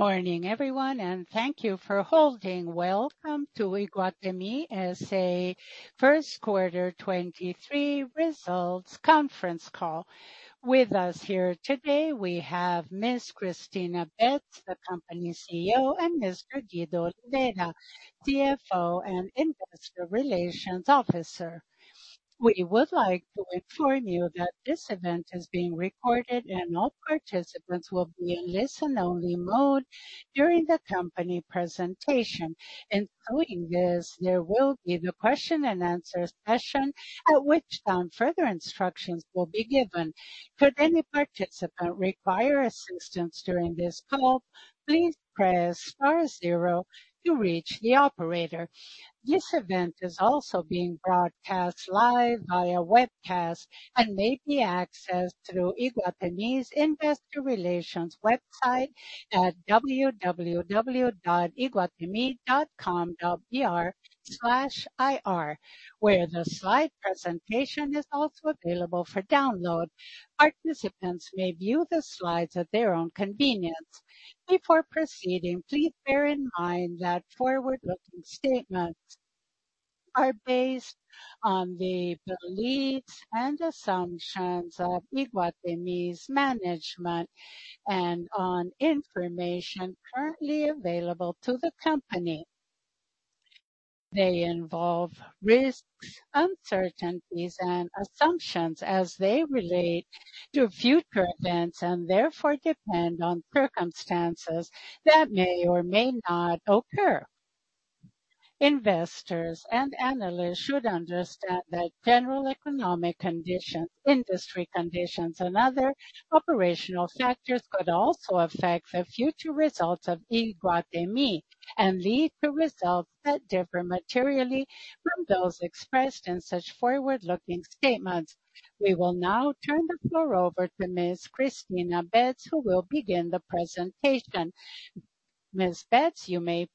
Good morning everyone, thank you for holding. Welcome to Iguatemi S.A. first quarter 2023 results conference call. With us here today, we have Ms. Cristina Betts, the company's CEO, and Mr. Guido Oliveira, CFO and Investor Relations Officer. We would like to inform you that this event is being recorded and all participants will be in listen only mode during the company presentation. Following this, there will be the question and answer session, at which time further instructions will be given. Should any participant require assistance during this call, please press star zero to reach the operator. This event is also being broadcast live via webcast and may be accessed through Iguatemi's investor relations website at www.iguatemi.com.br/ir, where the slide presentation is also available for download. Participants may view the slides at their own convenience. Before proceeding, please bear in mind that forward-looking statements are based on the beliefs and assumptions of Iguatemi's management and on information currently available to the company. They involve risks, uncertainties, and assumptions as they relate to future events and therefore depend on circumstances that may or may not occur. Investors and analysts should understand that general economic conditions, industry conditions, and other operational factors could also affect the future results of Iguatemi and lead to results that differ materially from those expressed in such forward-looking statements. We will now turn the floor over to Ms. Cristina Betts who will begin the presentation. Ms. Betts, you may...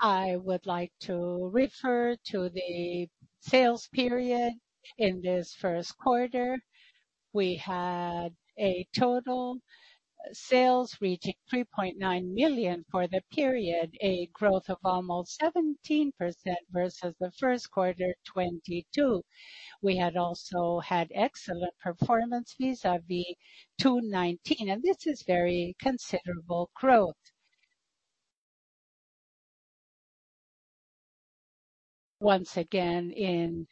I would like to refer to the sales period. In this first quarter, we had a total sales reaching 3.9 million for the period, a growth of almost 17% versus the first quarter 2022. We had also had excellent performance vis-a-vis 2019. This is very considerable growth. Once again, in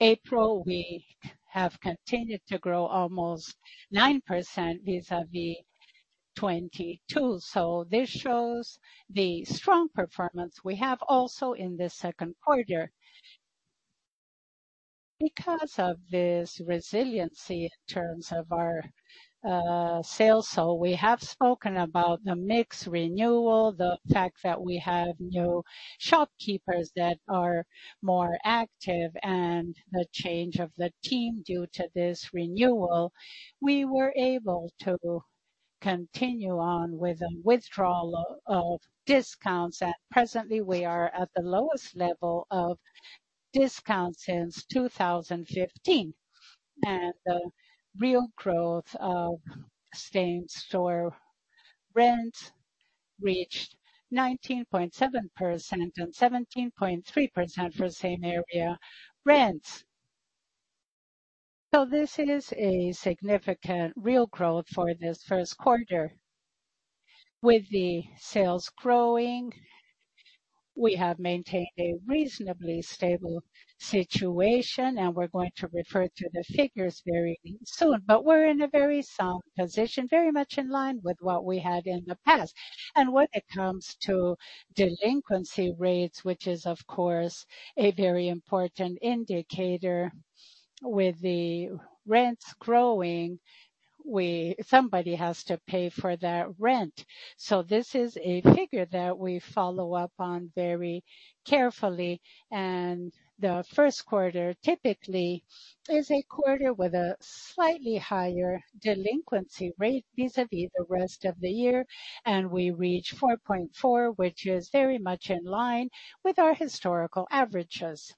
April, we have continued to grow almost 9% vis-a-vis 2022. This shows the strong performance we have also in the second quarter. Because of this resiliency in terms of our sales. We have spoken about the mix renewal, the fact that we have new shopkeepers that are more active, and the change of the team due to this renewal. We were able to continue on with the withdrawal of discounts. At presently we are at the lowest level of discount since 2015. The real growth of same-store rent reached 19.7% and 17.3% for same-area rents. This is a significant real growth for this first quarter. With the sales growing, we have maintained a reasonably stable situation, we're going to refer to the figures very soon. We're in a very sound position, very much in line with what we had in the past. When it comes to delinquency rates, which is of course a very important indicator. With the rents growing, somebody has to pay for that rent. This is a figure that we follow up on very carefully. The first quarter typically is a quarter with a slightly higher delinquency rate vis-a-vis the rest of the year. We reach 4.4%, which is very much in line with our historical averages.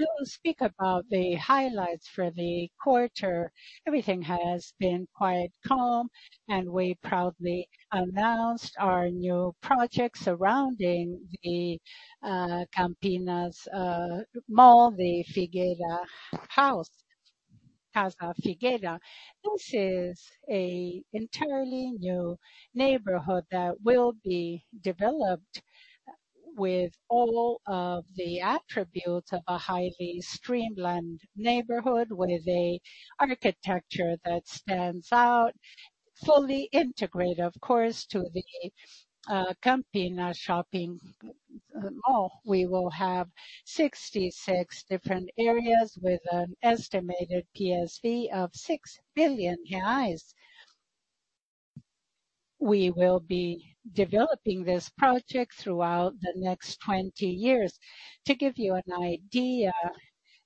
We will speak about the highlights for the quarter. Everything has been quite calm. We proudly announced our new project surrounding the Campinas mall, the Figueira House. Casa Figueira. This is a entirely new neighborhood that will be developed with all of the attributes of a highly streamlined neighborhood. With a architecture that stands out, fully integrated, of course, to the Campinas Shopping Mall. We will have 66 different areas with an estimated PSV of 6 billion reais. We will be developing this project throughout the next 20 years. To give you an idea,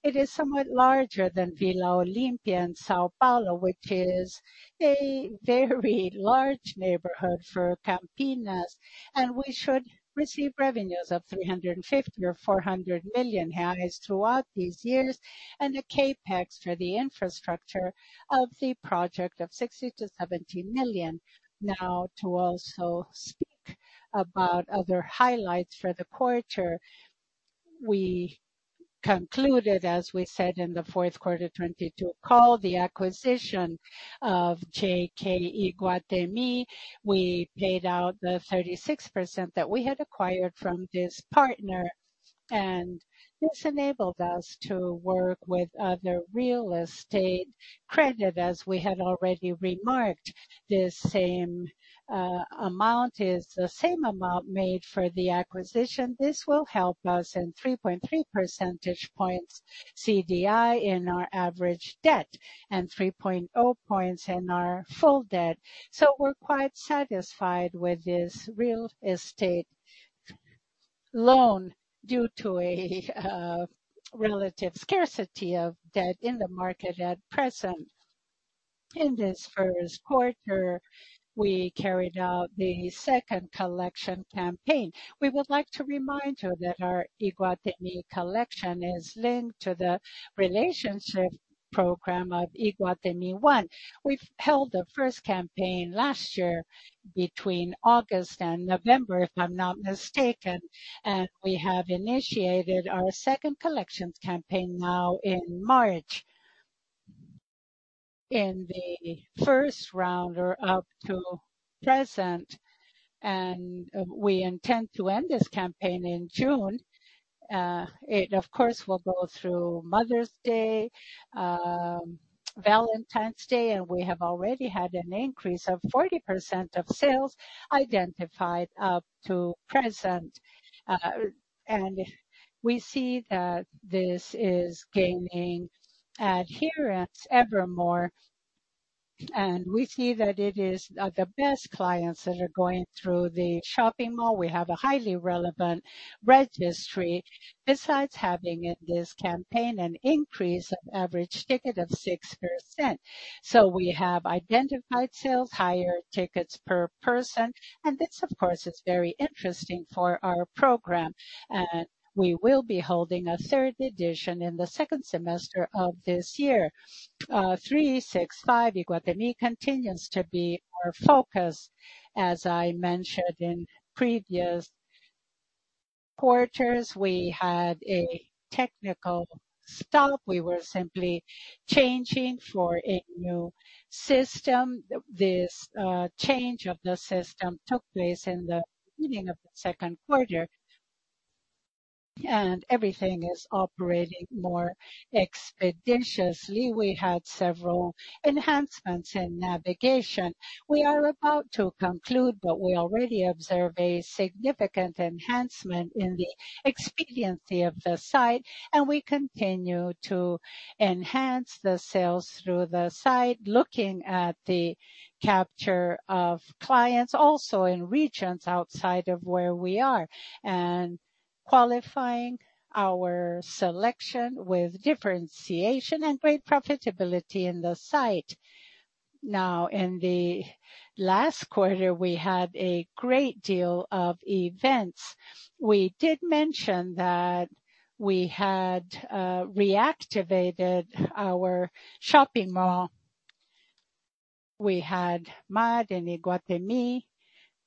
it is somewhat larger than Vila Olímpia in São Paulo, which is a very large neighborhood for Campinas, and we should receive revenues of 350 million or 400 million throughout these years. The CapEx for the infrastructure of the project of 60 million-70 million. To also speak about other highlights for the quarter. We concluded, as we said in the fourth quarter 2022 call, the acquisition of JK Iguatemi. We paid out the 36% that we had acquired from this partner, and this enabled us to work with other real estate credit as we had already remarked. The same amount is the same amount made for the acquisition. This will help us in 3.3 percentage points CDI in our average debt and 3.0 points in our full debt. We're quite satisfied with this real estate loan due to a relative scarcity of debt in the market at present. In this first quarter, we carried out the second Collection campaign. We would like to remind you that our Iguatemi Collection is linked to the relationship program of Iguatemi ONE. We've held the first campaign last year between August and November, if I'm not mistaken, and we have initiated our second Collection campaign now in March. In the first rounder up to present, and we intend to end this campaign in June. It of course, will go through Mother's Day, Valentine's Day, and we have already had an increase of 40% of sales identified up to present. We see that this is gaining adherence evermore, and we see that it is the best clients that are going through the shopping mall. We have a highly relevant registry, besides having in this campaign an increase of average ticket of 6%. We have identified sales, higher tickets per person, and this of course, is very interesting for our program. We will be holding a third edition in the second semester of this year. 365 Iguatemi continues to be our focus. As I mentioned in previous quarters, we had a technical stop. We were simply changing for a new system. This change of the system took place in the beginning of the second quarter, and everything is operating more expeditiously. We had several enhancements in navigation. We are about to conclude, but we already observe a significant enhancement in the expediency of the site, and we continue to enhance the sales through the site, looking at the capture of clients also in regions outside of where we are. Qualifying our selection with differentiation and great profitability in the site. Now, in the last quarter, we had a great deal of events. We did mention that we had reactivated our shopping mall. We had Mad in Iguatemi,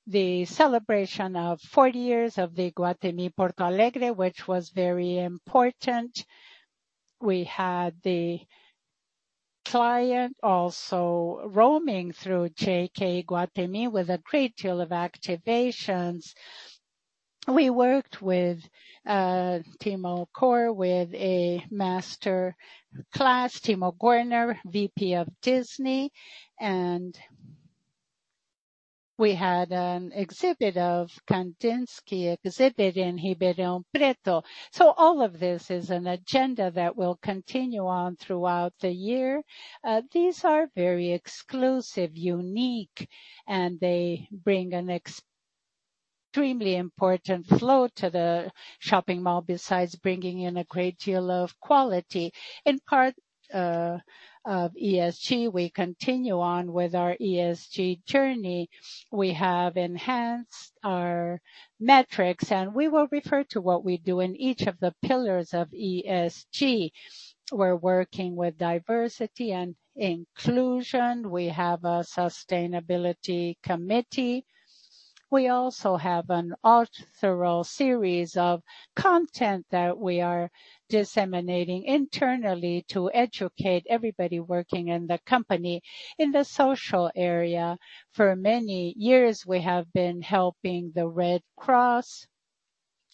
the celebration of 40 years of the Iguatemi Porto Alegre, which was very important. We had the client also roaming through JK Iguatemi with a great deal of activations. We worked with Tim O'Core with a master class, Tim O'Gorner, VP of Disney, and we had an exhibit of Kandinsky exhibit in Ribeirão Preto. All of this is an agenda that will continue on throughout the year. These are very exclusive, unique, and they bring an extremely important flow to the shopping mall besides bringing in a great deal of quality. In part, of ESG, we continue on with our ESG journey. We have enhanced our metrics, and we will refer to what we do in each of the pillars of ESG. We're working with diversity and inclusion. We have a sustainability committee. We also have an authoral series of content that we are disseminating internally to educate everybody working in the company. In the social area, for many years, we have been helping the Red Cross.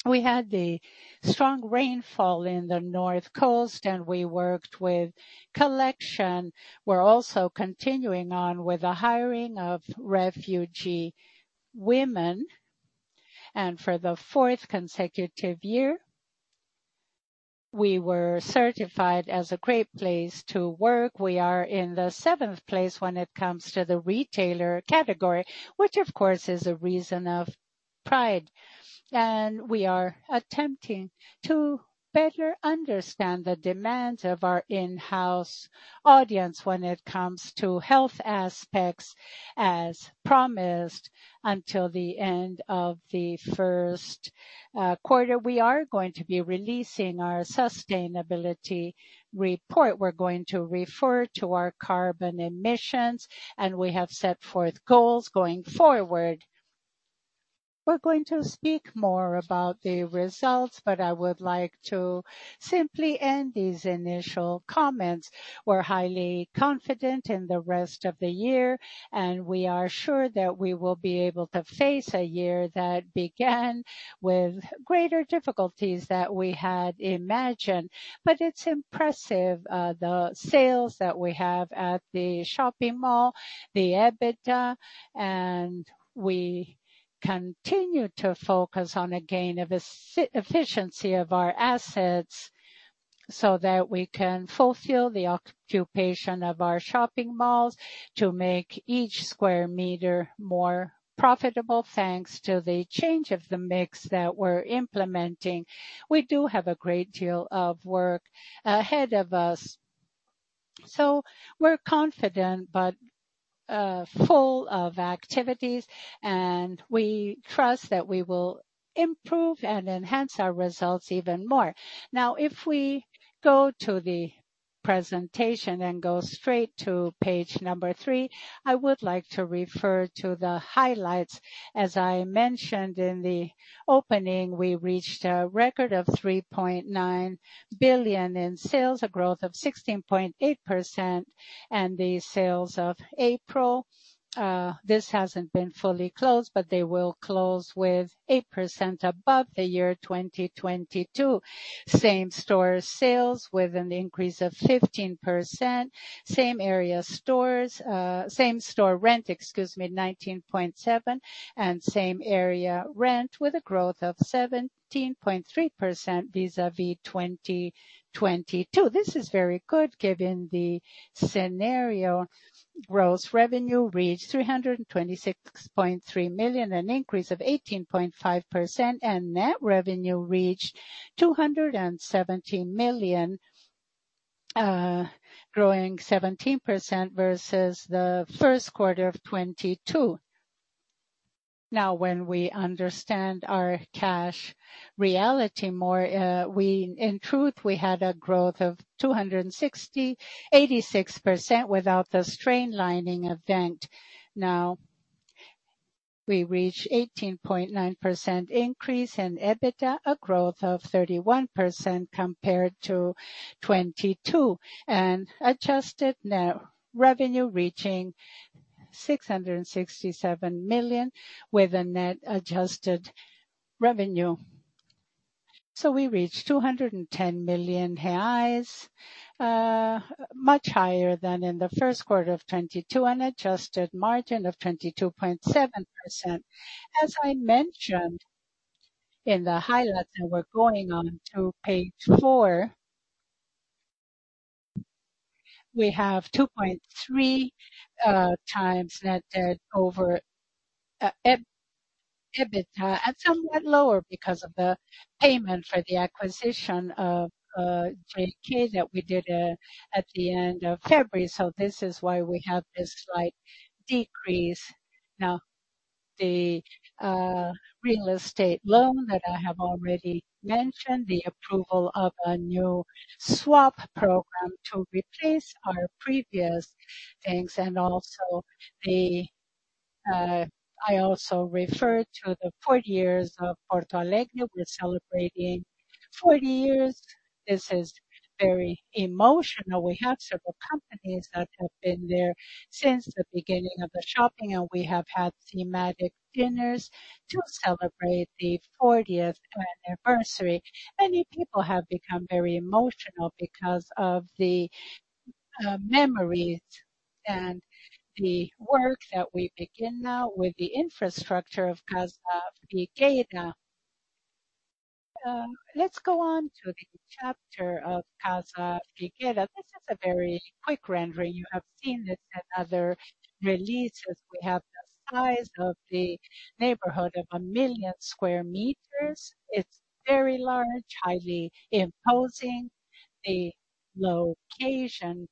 We had the strong rainfall in the North Coast, and we worked with collection. We're also continuing on with the hiring of refugee women. For the 4th consecutive year, we were certified as a great place to work. We are in the 7th place when it comes to the retailer category, which of course, is a reason of pride. We are attempting to better understand the demands of our in-house audience when it comes to health aspects as promised until the end of the 1st quarter. We are going to be releasing our sustainability report. We're going to refer to our carbon emissions, and we have set forth goals going forward. We're going to speak more about the results, but I would like to simply end these initial comments. We're highly confident in the rest of the year, and we are sure that we will be able to face a year that began with greater difficulties that we had imagined. It's impressive, the sales that we have at the shopping mall, the EBITDA, and we continue to focus on a gain of efficiency of our assets so that we can fulfill the occupation of our shopping malls to make each square meter more profitable, thanks to the change of the mix that we're implementing. We do have a great deal of work ahead of us. We're confident but, full of activities, and we trust that we will improve and enhance our results even more. If we go to the presentation and go straight to page number three, I would like to refer to the highlights. As I mentioned in the opening, we reached a record of 3.9 billion in sales, a growth of 16.8%. The sales of April, this hasn't been fully closed, but they will close with 8% above the year 2022. Same-store sales with an increase of 15%. Same area stores, same-store rent, excuse me, 19.7%. Same area rent with a growth of 17.3% vis-à-vis 2022. This is very good given the scenario. Gross revenue reached 326.3 million, an increase of 18.5%. Net revenue reached 217 million, growing 17% versus the first quarter of 2022. When we understand our cash reality more, in truth, we had a growth of 260... 86% without the streamlining event. We reach 18.9% increase in EBITDA, a growth of 31% compared to 2022, and adjusted net revenue reaching BRL 667 million with a net adjusted revenue. We reached 210 million reais, much higher than in the first quarter of 2022, an adjusted margin of 22.7%. As I mentioned in the highlights, and we're going on to page four. We have 2.3x net debt over EBITDA and somewhat lower because of the payment for the acquisition of JK that we did at the end of February. This is why we have this slight decrease. The real estate loan that I have already mentioned, the approval of a new swap program to replace our previous things and also, I also refer to the 40 years of Porto Alegre. We're celebrating 40 years. This is very emotional. We have several companies that have been there since the beginning of the shopping, and we have had thematic dinners to celebrate the 40th anniversary. Many people have become very emotional because of the memories and the work that we begin now with the infrastructure of Casa Figueira. Let's go on to the chapter of Casa Figueira. This is a very quick rendering. You have seen this in other releases. We have the size of the neighborhood of 1 million square meters. It's very large, highly imposing. The location,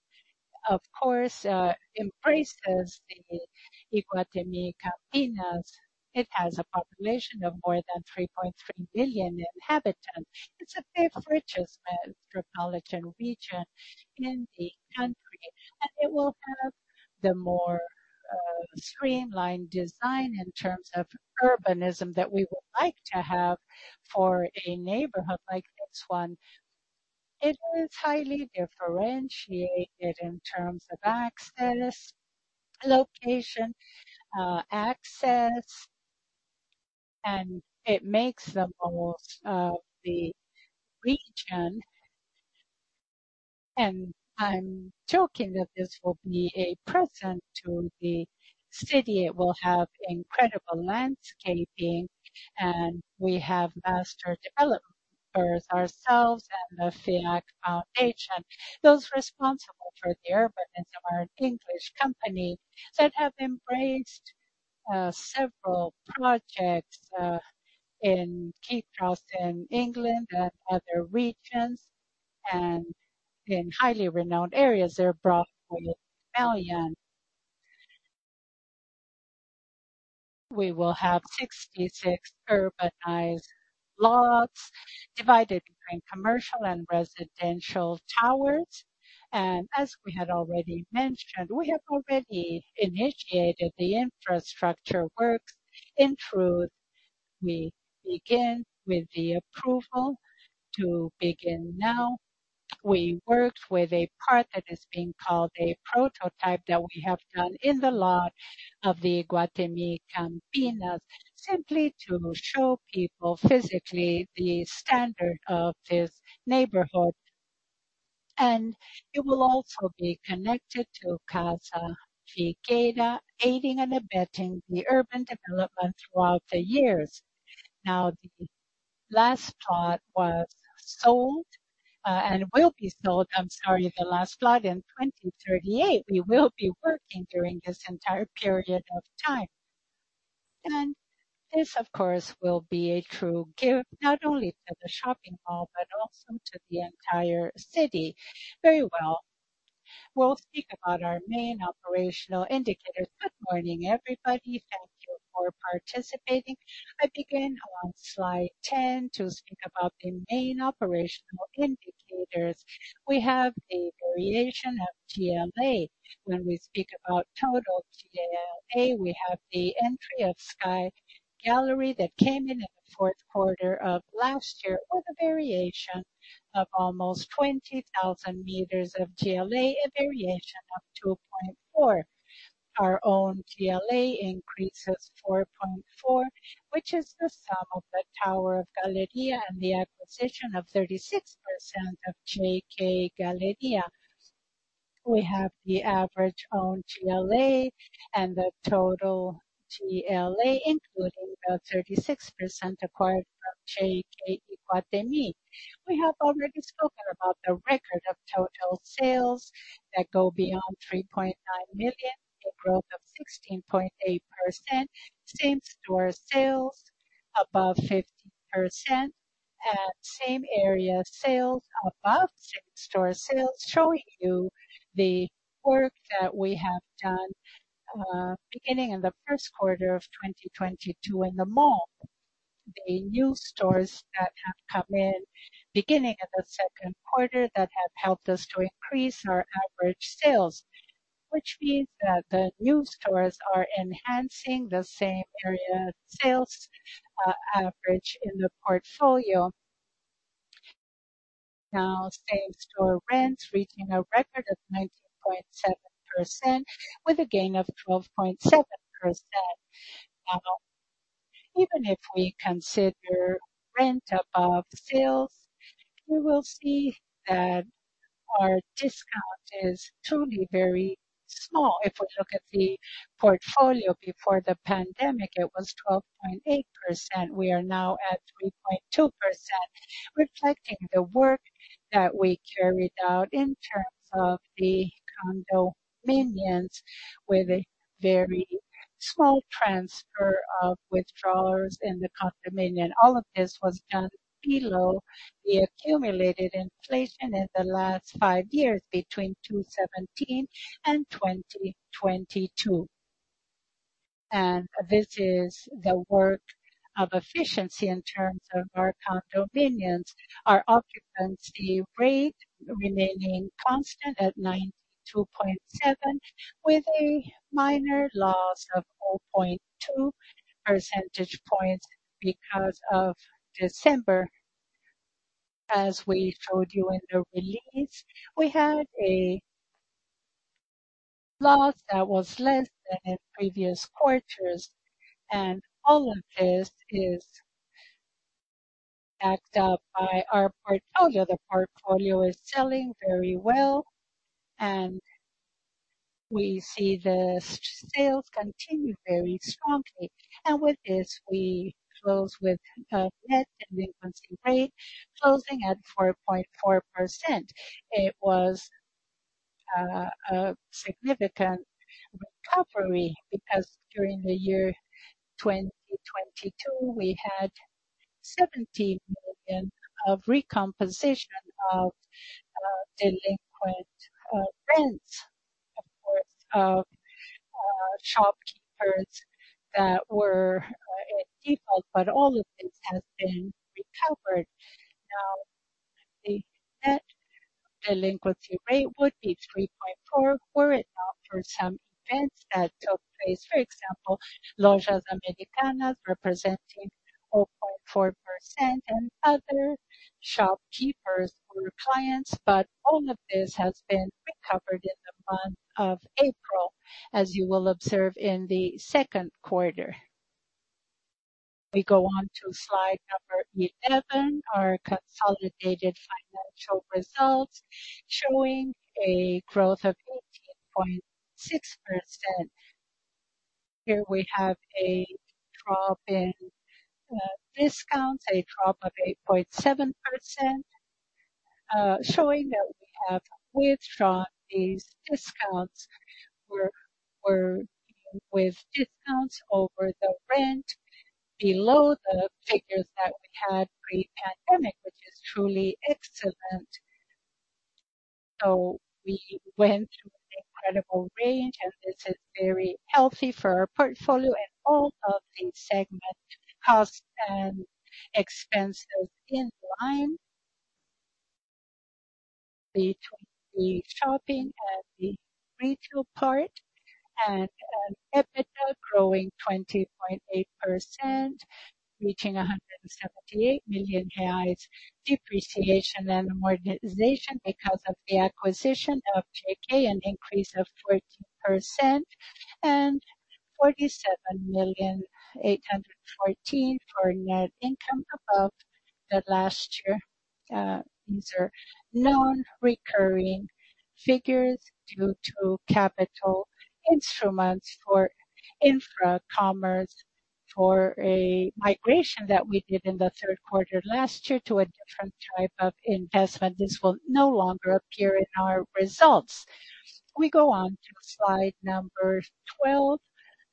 of course, embraces the Iguatemi Campinas. It has a population of more than 3.3 million inhabitants. It's the fifth richest metropolitan region in the country. It will have the more streamlined design in terms of urbanism that we would like to have for a neighborhood like this one. It is highly differentiated in terms of access, location, access. It makes the most of the region. I'm joking that this will be a present to the city. It will have incredible landscaping. We have master developers ourselves and the FIAC Foundation. Those responsible for the urbanism are an English company that have embraced several projects in Cape Trust in England and other regions and in highly renowned areas. They're broadly familiar. We will have 66 urbanized lots divided between commercial and residential towers. As we had already mentioned, we have already initiated the infrastructure works. We begin with the approval to begin now. We worked with a part that is being called a prototype that we have done in the lot of the Iguatemi Campinas, simply to show people physically the standard of this neighborhood. It will also be connected to Casa Figueira, aiding and abetting the urban development throughout the years. The last plot was sold, and will be sold, I'm sorry, the last plot in 2038. We will be working during this entire period of time. This, of course, will be a true gift, not only to the shopping mall, but also to the entire city. Very well. We'll speak about our main operational indicators. Good morning, everybody. Thank you for participating. I begin on slide 10 to speak about the main operational indicators. We have a variation of GLA. When we speak about total GLA, we have the entry of Sky Galleria that came in in the fourth quarter of last year with a variation of almost 20,000 meters of GLA, a variation of 2.4%. Our own GLA increases 4.4%, which is the sum of the tower of Galleria and the acquisition of 36% of JK Iguatemi. We have the average owned GLA and the total GLA, including the 36% acquired from JK Iguatemi. We have already spoken about the record of total sales that go beyond 3.9 million, a growth of 16.8%. Same-store sales above 15%. Same area sales above same-store sales, showing you the work that we have done beginning in the first quarter of 2022 in the mall. The new stores that have come in beginning in the second quarter that have helped us to increase our average sales, which means that the new stores are enhancing the same-area sales average in the portfolio. Same-store rents reaching a record of 19.7% with a gain of 12.7%. Even if we consider rent above sales, we will see that our discount is truly very small. If we look at the portfolio before the pandemic, it was 12.8%. We are now at 3.2%, reflecting the work that we carried out in terms of the condominiums with a very small transfer of withdrawals in the condominium. All of this was done below the accumulated inflation in the last five years between 2017 and 2022. This is the work of efficiency in terms of our condominiums. Our occupancy rate remaining constant at 92.7, with a minor loss of 0.2 percentage points because of December. As we showed you in the release, we had a loss that was less than in previous quarters, and all of this is backed up by our portfolio. The portfolio is selling very well, and we see the sales continue very strongly. With this, we close with a net delinquency rate closing at 4.4%. It was a significant recovery because during the year 2022, we had 70 million of recomposition of delinquent rents, of course, shopkeepers that were in default, but all of this has been recovered. The net delinquency rate would be 3.4 were it not for some events that took place. For example, Lojas Americanas representing 0.4% and other shopkeepers who are clients. All of this has been recovered in the month of April, as you will observe in the second quarter. We go on to slide number 11. Our consolidated financial results showing a growth of 18.6%. Here we have a drop in discounts, a drop of 8.7%, showing that we have withdrawn these discounts. We're dealing with discounts over the rent below the figures that we had pre-pandemic, which is truly excellent. We went through an incredible range, and this is very healthy for our portfolio and all of the segment costs and expenses in line between the shopping and the retail part. EBITDA growing 20.8%, reaching 178 million reais. Depreciation and amortization because of the acquisition of JK, an increase of 14%. 47,000,814 for net income above the last year. These are non-recurring figures due to capital instruments for Infracommerce for a migration that we did in the 3rd quarter last year to a different type of investment. This will no longer appear in our results. We go on to slide number 12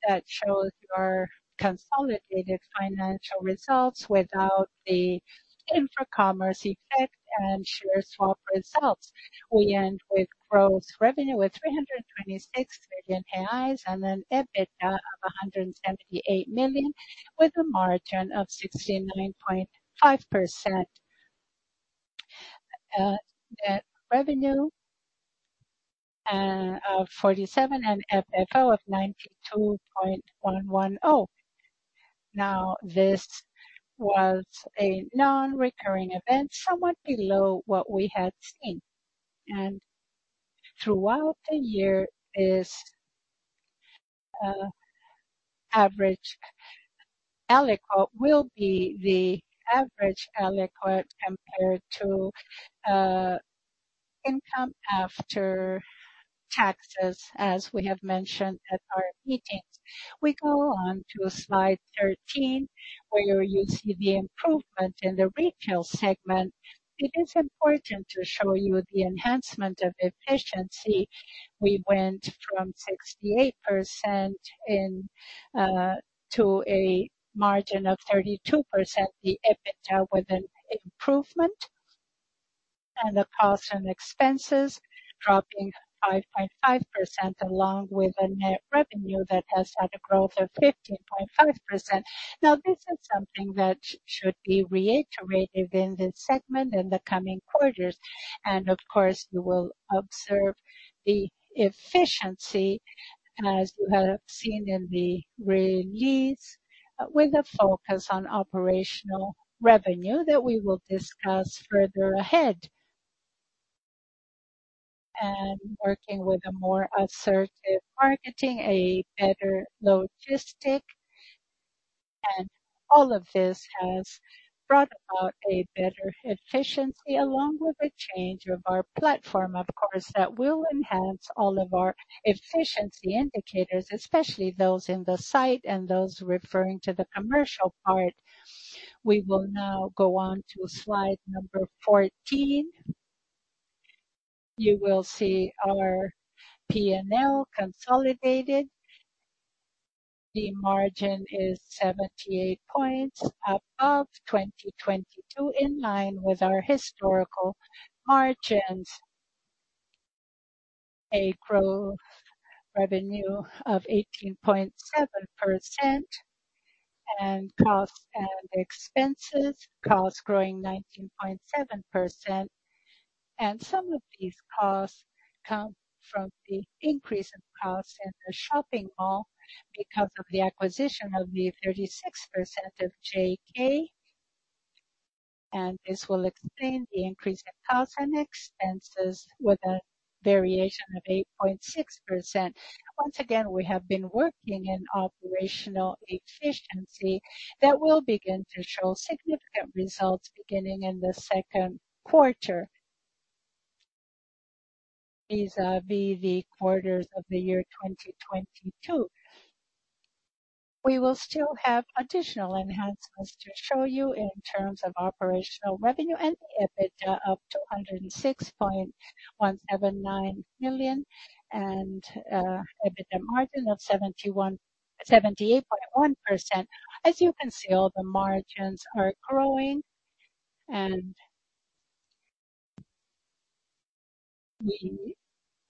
that shows our consolidated financial results without the Infracommerce effect and share swap results. We end with gross revenue of 326 million reais and an EBITDA of 178 million, with a margin of 69.5%. Net revenue of 47 million and FFO of 92.110 million. This was a non-recurring event, somewhat below what we had seen. Throughout the year ELICOT will be the average ELICOT compared to income after taxes, as we have mentioned at our meetings. We go on to slide 13, where you see the improvement in the retail segment. It is important to show you the enhancement of efficiency. We went from 68% in to a margin of 32%, the EBITDA with an improvement and the costs and expenses dropping 5.5%, along with a net revenue that has had a growth of 15.5%. This is something that should be reiterated in this segment in the coming quarters. Of course, you will observe the efficiency, as you have seen in the release, with a focus on operational revenue that we will discuss further ahead. Working with a more assertive marketing, a better logistic. All of this has brought about a better efficiency, along with the change of our platform, of course, that will enhance all of our efficiency indicators, especially those in the site and those referring to the commercial part. We will now go on to slide number 14. You will see our P&L consolidated. The margin is 78 points above 2022, in line with our historical margins. A growth revenue of 18.7% and costs and expenses. Costs growing 19.7%. Some of these costs come from the increase in costs in the shopping mall because of the acquisition of the 36% of JK. This will explain the increase in costs and expenses with a variation of 8.6%. Once again, we have been working in operational efficiency that will begin to show significant results beginning in the second quarter. Vis-a-vis the quarters of the year 2022. We will still have additional enhancements to show you in terms of operational revenue and EBITDA up to 106.179 million and EBITDA margin of 78.1%. As you can see, all the margins are growing, we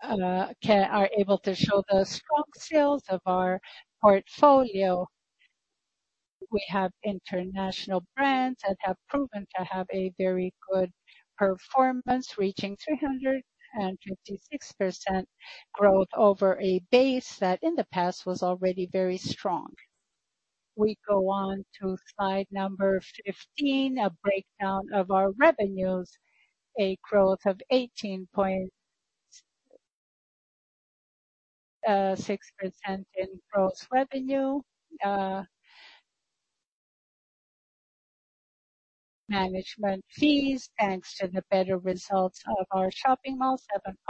are able to show the strong sales of our portfolio. We have international brands that have proven to have a very good performance, reaching 356% growth over a base that in the past was already very strong. We go on to slide number 15, a breakdown of our revenues. A growth of 18.6% in gross revenue. Management fees, thanks to the better results of our shopping mall,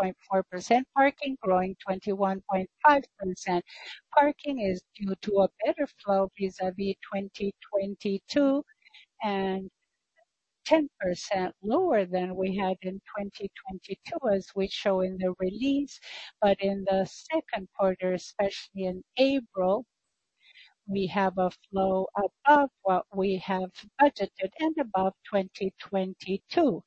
7.4%. Parking growing 21.5%. Parking is due to a better flow vis-a-vis 2022 and 10% lower than we had in 2022, as we show in the release. In the second quarter, especially in April, we have a flow above what we have budgeted and above 2022.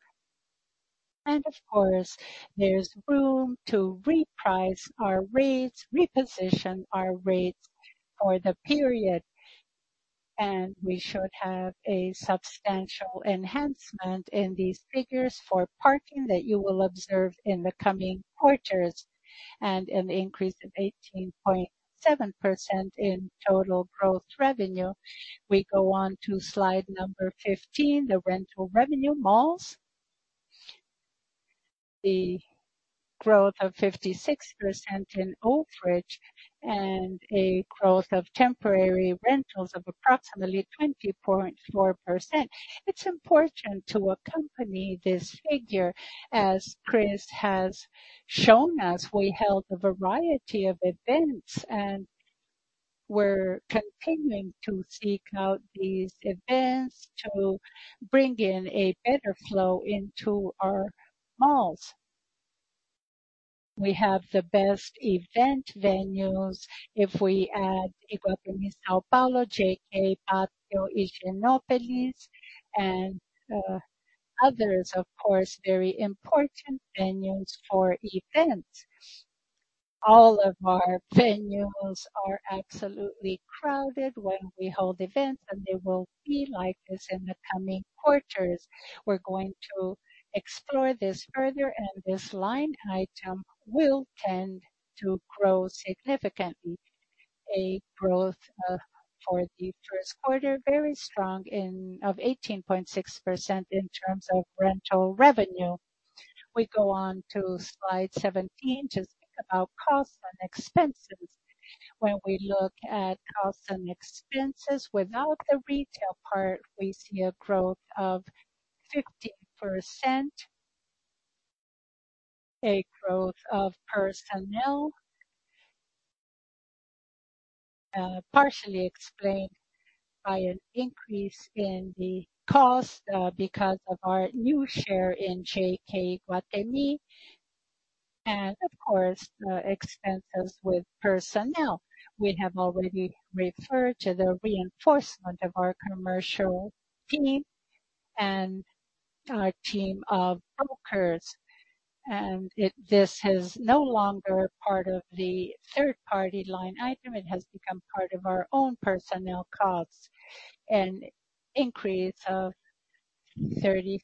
Of course, there's room to reprice our rates, reposition our rates for the period. We should have a substantial enhancement in these figures for parking that you will observe in the coming quarters. An increase of 18.7% in total growth revenue. We go on to slide number 15, the rental revenue malls. The growth of 56% in overage and a growth of temporary rentals of approximately 20.4%. It's important to accompany this figure. As Cris has shown us, we're continuing to seek out these events to bring in a better flow into our malls. We have the best event venues. If we add Iguatemi São Paulo, JK, Patio Higienópolis, and others, of course, very important venues for events. All of our venues are absolutely crowded when we hold events, and they will be like this in the coming quarters. We're going to explore this further, and this line item will tend to grow significantly. A growth for the first quarter, very strong of 18.6% in terms of rental revenue. We go on to slide 17 to speak about costs and expenses. When we look at costs and expenses without the retail part, we see a growth of 15%. A growth of personnel, partially explained by an increase in the cost, because of our new share in JK Iguatemi, and of course, expenses with personnel. We have already referred to the reinforcement of our commercial team and our team of brokers. This is no longer part of the third-party line item. It has become part of our own personnel costs. An increase of 33%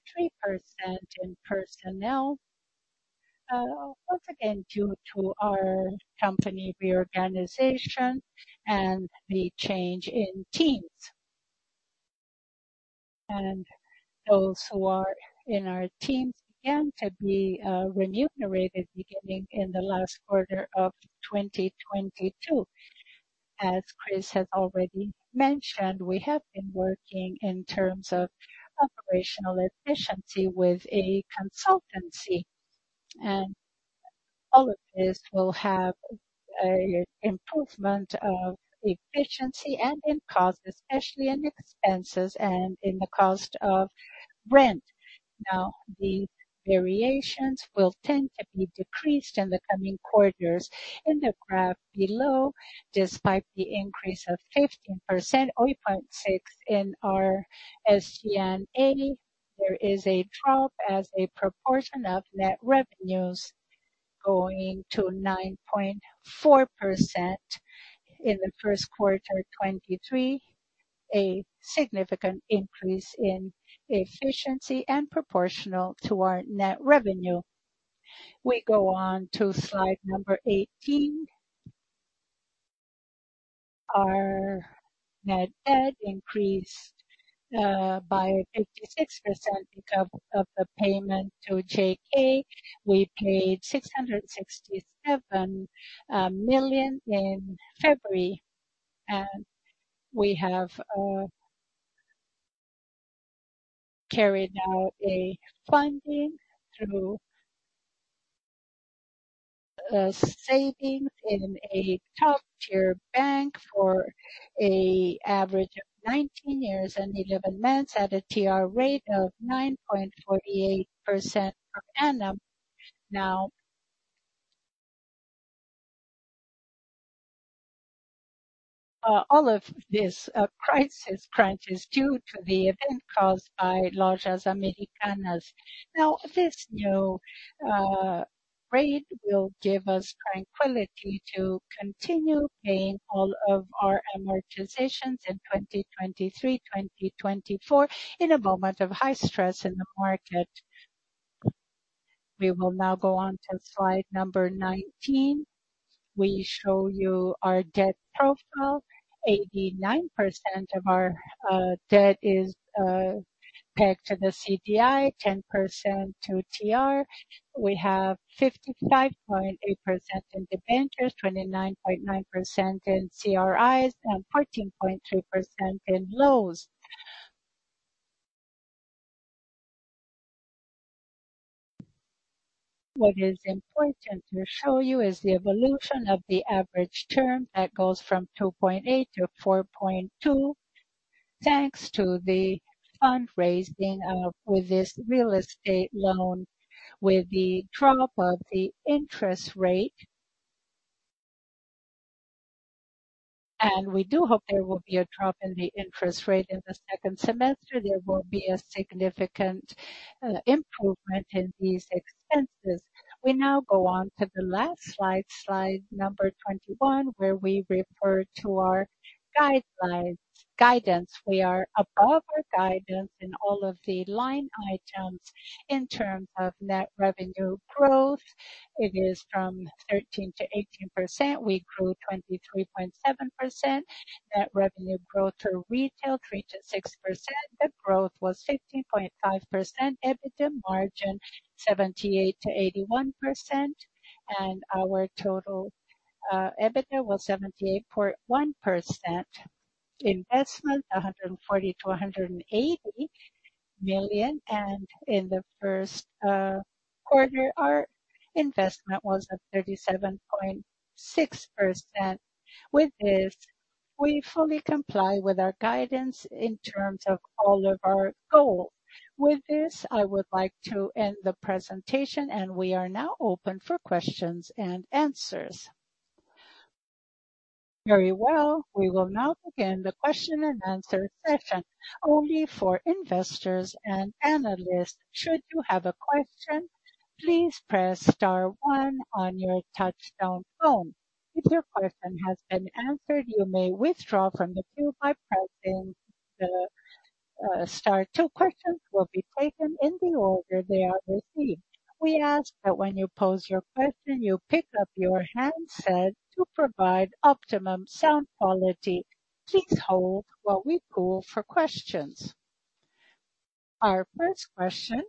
in personnel, once again, due to our company reorganization and the change in teams. Those who are in our teams began to be remunerated beginning in the last quarter of 2022. As Cris has already mentioned, we have been working in terms of operational efficiency with a consultancy, and all of this will have a improvement of efficiency and in costs, especially in expenses and in the cost of rent. The variations will tend to be decreased in the coming quarters. In the graph below, despite the increase of 15.6% in our SG&A, there is a drop as a proportion of net revenues going to 9.4% in the first quarter 2023, a significant increase in efficiency and proportional to our net revenue. We go on to slide number 18. Our net debt increased by 56% because of the payment to JK. We paid 667 million in February. We have carried out a funding through savings in a top-tier bank for an average of 19 years and 11 months at a TR rate of 9.48% per annum. All of this crisis crunch is due to the event caused by Lojas Americanas. This new rate will give us tranquility to continue paying all of our amortizations in 2023, 2024 in a moment of high stress in the market. We will now go on to slide number 19. We show you our debt profile. 89% of our debt is pegged to the CDI, 10% to TR. We have 55.8% in debentures, 29.9% in CRIs, and 14.3% in lows. What is important to show you is the evolution of the average term that goes from 2.8-4.2. Thanks to the fundraising with this real estate loan, with the drop of the interest rate. We do hope there will be a drop in the interest rate in the second semester. There will be a significant improvement in these expenses. We now go on to the last slide number 21, where we refer to our guidance. We are above our guidance in all of the line items in terms of net revenue growth. It is from 13%-18%. We grew 23.7%. Net revenue growth for retail, 3%-6%. The growth was 15.5%. EBITDA margin, 78%-81%. Our total EBITDA was 78.1%. Investment, 140 million-180 million. In the first quarter, our investment was at 37.6%. With this, we fully comply with our guidance in terms of all of our goal. With this, I would like to end the presentation, and we are now open for questions and answers. Very well. We will now begin the question and answer session only for investors and analysts. Should you have a question, please press star one on your touchtone phone. If your question has been answered, you may withdraw from the queue by pressing star two. Questions will be taken in the order they are received. We ask that when you pose your question, you pick up your handset to provide optimum sound quality. Please hold while we poll for questions. Our first question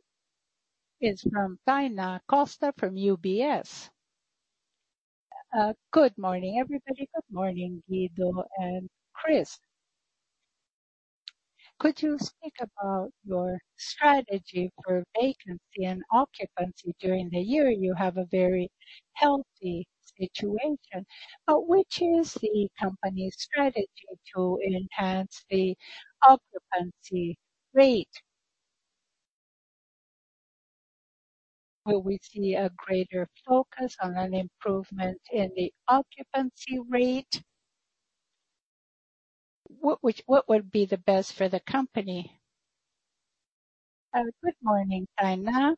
is from Tainan Costa from UBS. Good morning, everybody. Good morning, Guido and Cris. Could you speak about your strategy for vacancy and occupancy during the year? You have a very healthy situation. Which is the company's strategy to enhance the occupancy rate? Will we see a greater focus on an improvement in the occupancy rate? What would be the best for the company? Good morning, Tainan.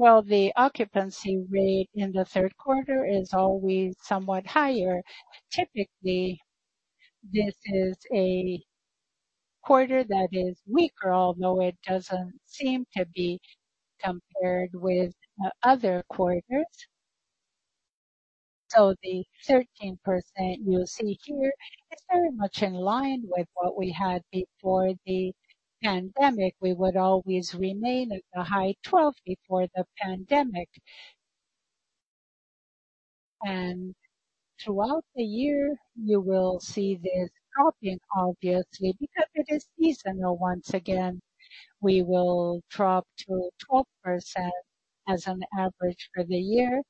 Well, the occupancy rate in the third quarter is always somewhat higher. Typically, this is a quarter that is weaker, although it doesn't seem to be compared with other quarters. The 13% you see here is very much in line with what we had before the pandemic. We would always remain at the high 12 before the pandemic. Throughout the year, you will see this dropping, obviously, because it is seasonal. Once again, we will drop to 12% as an average for the year,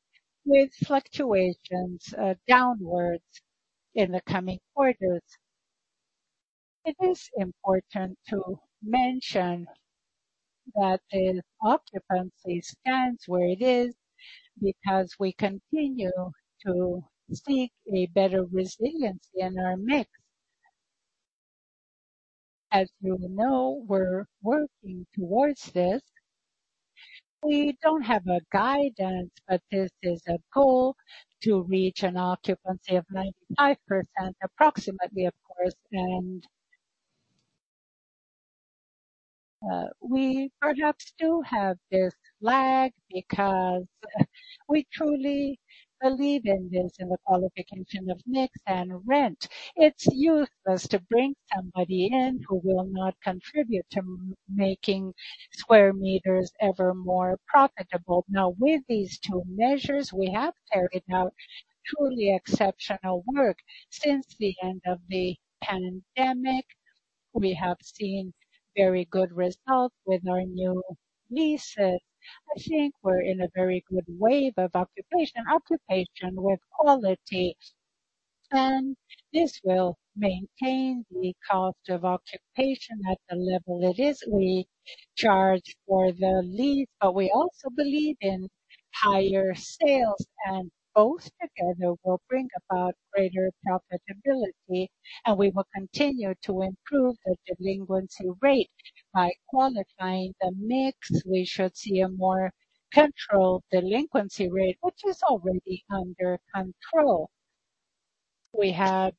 with fluctuations downwards in the coming quarters. It is important to mention that the occupancy stands where it is because we continue to seek a better resiliency in our mix. As you know, we're working towards this. We don't have a guidance, but this is a goal to reach an occupancy of 95%, approximately, of course. We perhaps do have this lag because we truly believe in this, in the qualification of mix and rent. It's useless to bring somebody in who will not contribute to making square meters ever more profitable. With these two measures, we have carried out truly exceptional work. Since the end of the pandemic, we have seen very good results with our new leases. I think we're in a very good wave of occupation with quality, and this will maintain the cost of occupation at the level it is. We charge for the lease. We also believe in higher sales. Both together will bring about greater profitability. We will continue to improve the delinquency rate. By qualifying the mix, we should see a more controlled delinquency rate, which is already under control. We had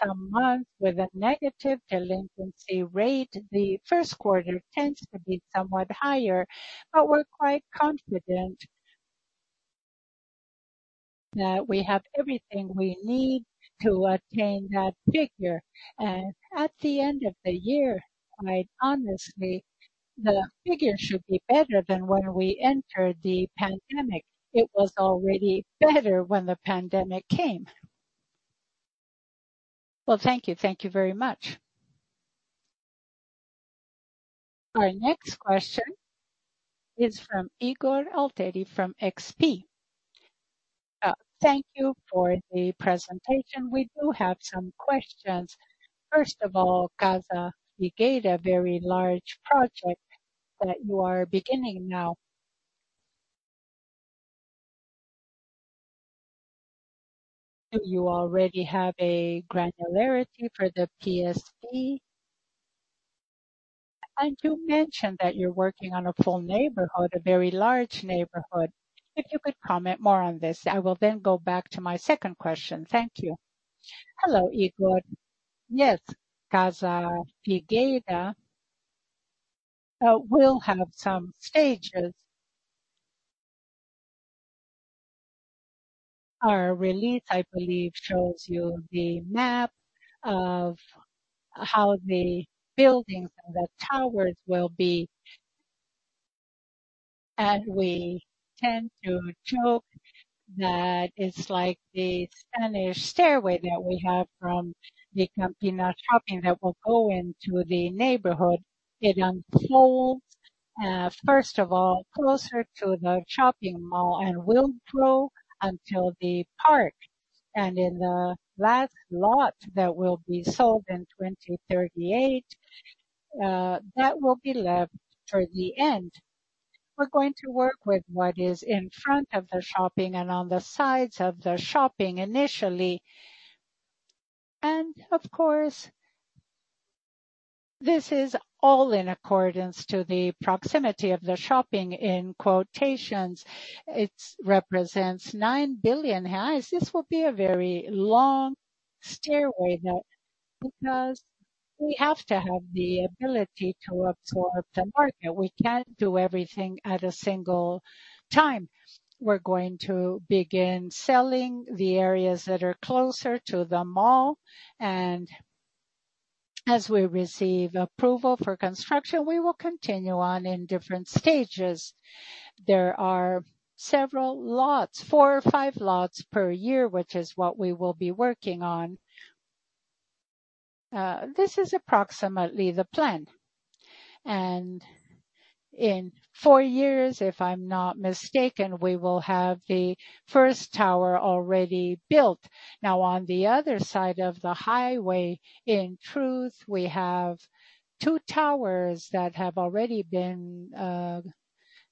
some months with a negative delinquency rate. The first quarter tends to be somewhat higher, we're quite confident that we have everything we need to attain that figure. At the end of the year, quite honestly, the figure should be better than when we entered the pandemic. It was already better when the pandemic came. Well, thank you. Thank you very much. Our next question is from Ygor Altero from XP. Thank you for the presentation. We do have some questions. First of all, Casa Figueira, very large project that you are beginning now. Do you already have a granularity for the PSV? You mentioned that you're working on a full neighborhood, a very large neighborhood. If you could comment more on this, I will then go back to my second question. Thank you. Hello, Ygor. Yes, Casa Figueira, will have some stages. Our release, I believe, shows you the map of how the buildings and the towers will be. We tend to joke that it's like the Spanish stairway that we have from the Campinas shopping that will go into the neighborhood. It unfolds, first of all, closer to the shopping mall and will grow until the park. In the last lot that will be sold in 2038, that will be left for the end. We're going to work with what is in front of the shopping and on the sides of the shopping initially. Of course, this is all in accordance to the proximity of the shopping in quotations. It's represents 9 billion reais. This will be a very long stairway that because we have to have the ability to absorb the market, we can't do everything at a single time. We're going to begin selling the areas that are closer to the mall, and as we receive approval for construction, we will continue on in different stages. There are several lots, four or five lots per year, which is what we will be working on. This is approximately the plan. In four years, if I'm not mistaken, we will have the first tower already built. Now, on the other side of the highway, in truth, we have two towers that have already been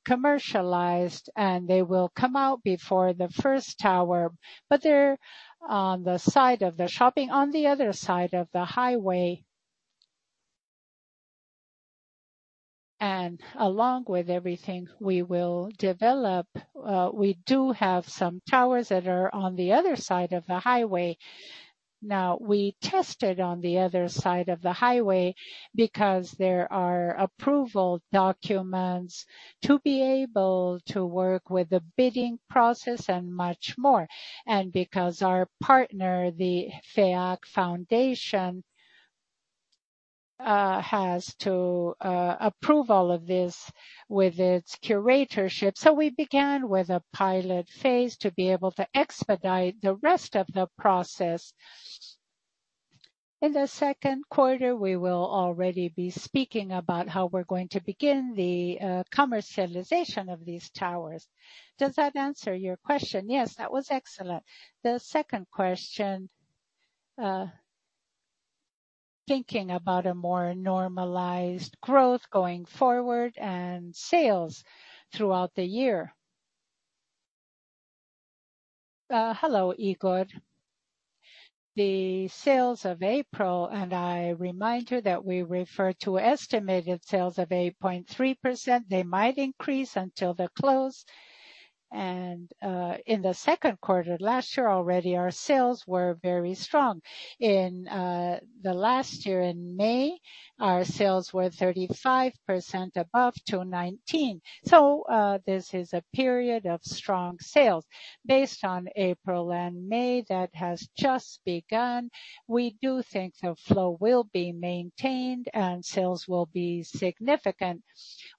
commercialized, and they will come out before the first tower. They're on the side of the shopping on the other side of the highway. Along with everything we will develop, we do have some towers that are on the other side of the highway. We tested on the other side of the highway because there are approval documents to be able to work with the bidding process and much more. Because our partner, the Fundação FEAC, has to approve all of this with its curatorship. We began with a pilot phase to be able to expedite the rest of the process. In the second quarter, we will already be speaking about how we're going to begin the commercialization of these towers. Does that answer your question? Yes, that was excellent. The second question, thinking about a more normalized growth going forward and sales throughout the year. Hello, Ygor. The sales of April, and I remind you that we refer to estimated sales of 8.3%. They might increase until the close. In the second quarter last year already, our sales were very strong. In the last year in May, our sales were 35% above 2019. This is a period of strong sales. Based on April and May that has just begun, we do think the flow will be maintained and sales will be significant.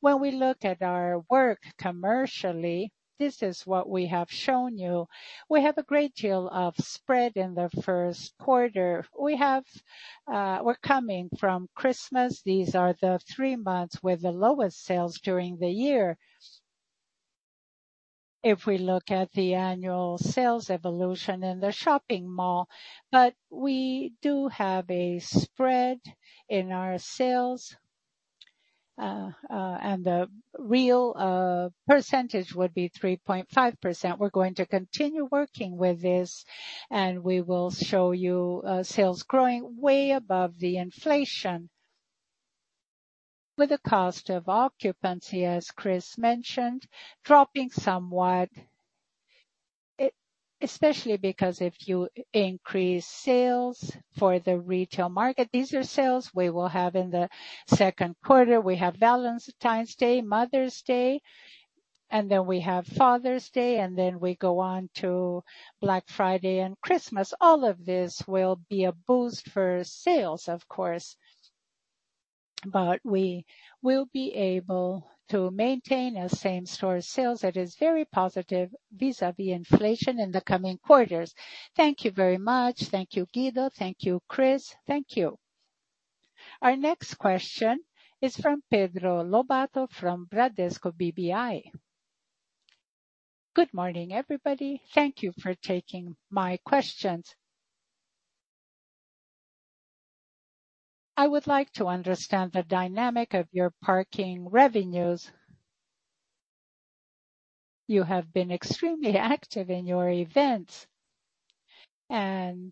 When we look at our work commercially, this is what we have shown you. We have a great deal of spread in the first quarter. We have, we're coming from Cristmas. These are the three months with the lowest sales during the year. If we look at the annual sales evolution in the shopping mall, we do have a spread in our sales. The real percentage would be 3.5%. We're going to continue working with this. We will show you sales growing way above the inflation. With the cost of occupancy, as Cris mentioned, dropping somewhat, especially because if you increase sales for the retail market, these are sales we will have in the second quarter. We have Valentine's Day, Mother's Day, and then we have Father's Day, and then we go on to Black Friday and Cristmas. All of this will be a boost for sales, of course. We will be able to maintain a same-store sales that is very positive vis-à-vis inflation in the coming quarters. Thank you very much. Thank you, Guido. Thank you, Cris. Thank you. Our next question is from Pedro Lobato from Bradesco BBI. Good morning, everybody. Thank you for taking my questions. I would like to understand the dynamic of your parking revenues. You have been extremely active in your events, and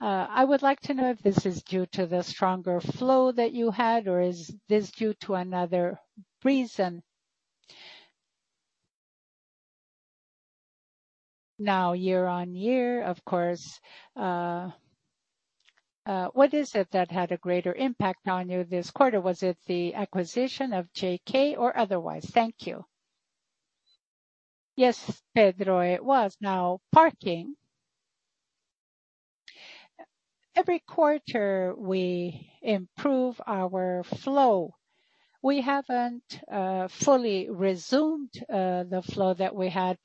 I would like to know if this is due to the stronger flow that you had, or is this due to another reason? Now, year on year, of course, what is it that had a greater impact on you this quarter? Was it the acquisition of JK or otherwise? Thank you. Yes, Pedro, it was. Now parking. Every quarter we improve our flow. We haven't fully resumed the flow that we had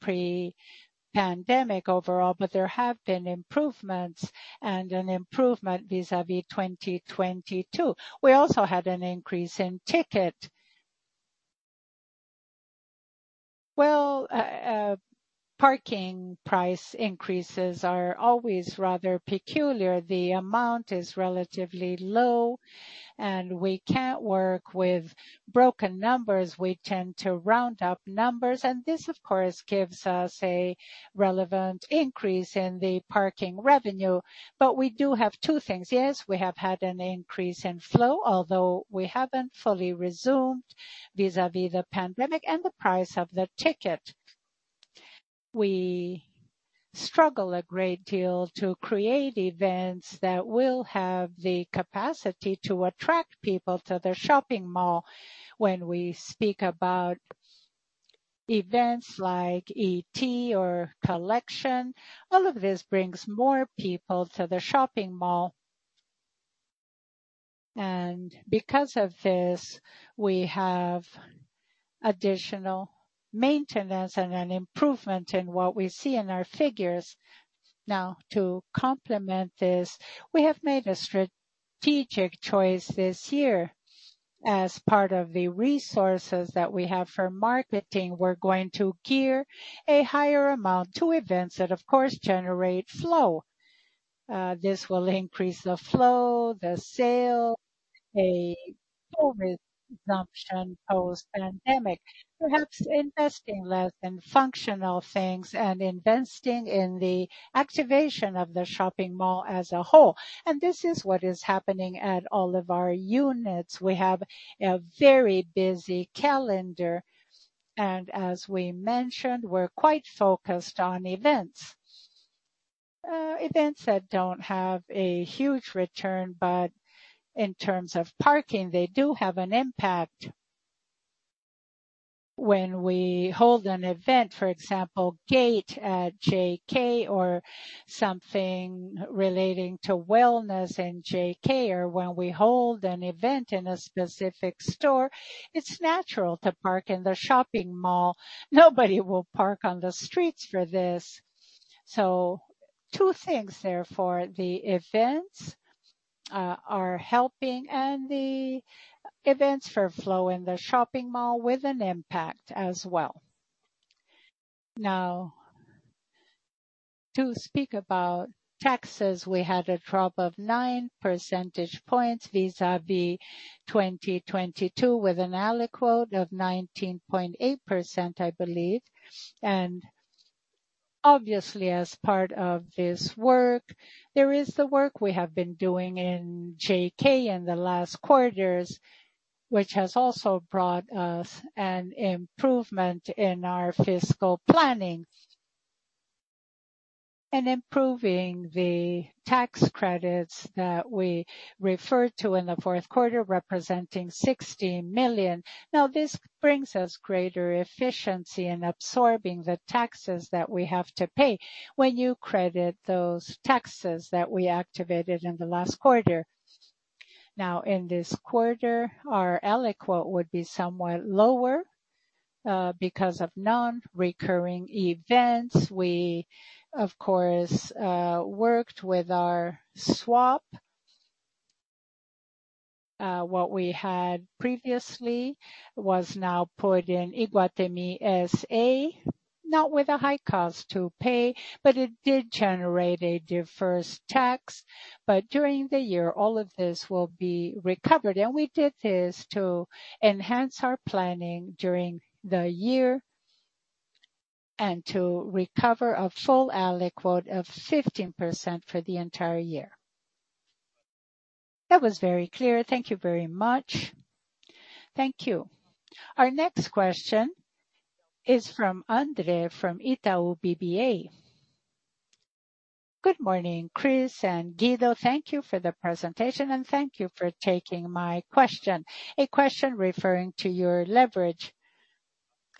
pre-pandemic overall, but there have been improvements and an improvement vis-à-vis 2022. We also had an increase in ticket. Well, parking price increases are always rather peculiar. The amount is relatively low, and we can't work with broken numbers. We tend to round up numbers. This, of course, gives us a relevant increase in the parking revenue. We do have two things. Yes, we have had an increase in flow, although we haven't fully resumed vis-à-vis the pandemic and the price of the ticket. We struggle a great deal to create events that will have the capacity to attract people to the shopping mall. When we speak about events like ET or Collection, all of this brings more people to the shopping mall. Because of this, we have additional maintenance and an improvement in what we see in our figures. To complement this, we have made a strategic choice this year. As part of the resources that we have for marketing, we're going to gear a higher amount to events that of course generate flow. This will increase the flow, the sale, a full resumption post-pandemic. Perhaps investing less in functional things and investing in the activation of the shopping mall as a whole. This is what is happening at all of our units. We have a very busy calendar, and as we mentioned, we're quite focused on events. Events that don't have a huge return, but in terms of parking, they do have an impact. When we hold an event, for example, gate at JK or something relating to wellness in JK, or when we hold an event in a specific store, it's natural to park in the shopping mall. Nobody will park on the streets for this. Two things therefore, the events are helping and the events for flow in the shopping mall with an impact as well. To speak about taxes, we had a drop of nine percentage points vis-à-vis 2022, with an aliquot of 19.8%, I believe. Obviously, as part of this work, there is the work we have been doing in JK in the last quarters, which has also brought us an improvement in our fiscal planning. Improving the tax credits that we referred to in the fourth quarter, representing 60 million. This brings us greater efficiency in absorbing the taxes that we have to pay when you credit those taxes that we activated in the last quarter. In this quarter, our aliquot would be somewhat lower because of non-recurring events. We of course worked with our swap. What we had previously was now put in Iguatemi S.A. Not with a high cost to pay, but it did generate a deferred tax. During the year, all of this will be recovered. And we did this to enhance our planning during the year and to recover a full aliquote of 15% for the entire year. That was very clear. Thank you very much. Thank you. Our next question is from Andre from Itaú BBA. Good morning, Cris and Guido. Thank you for the presentation, and thank you for taking my question. A question referring to your leverage.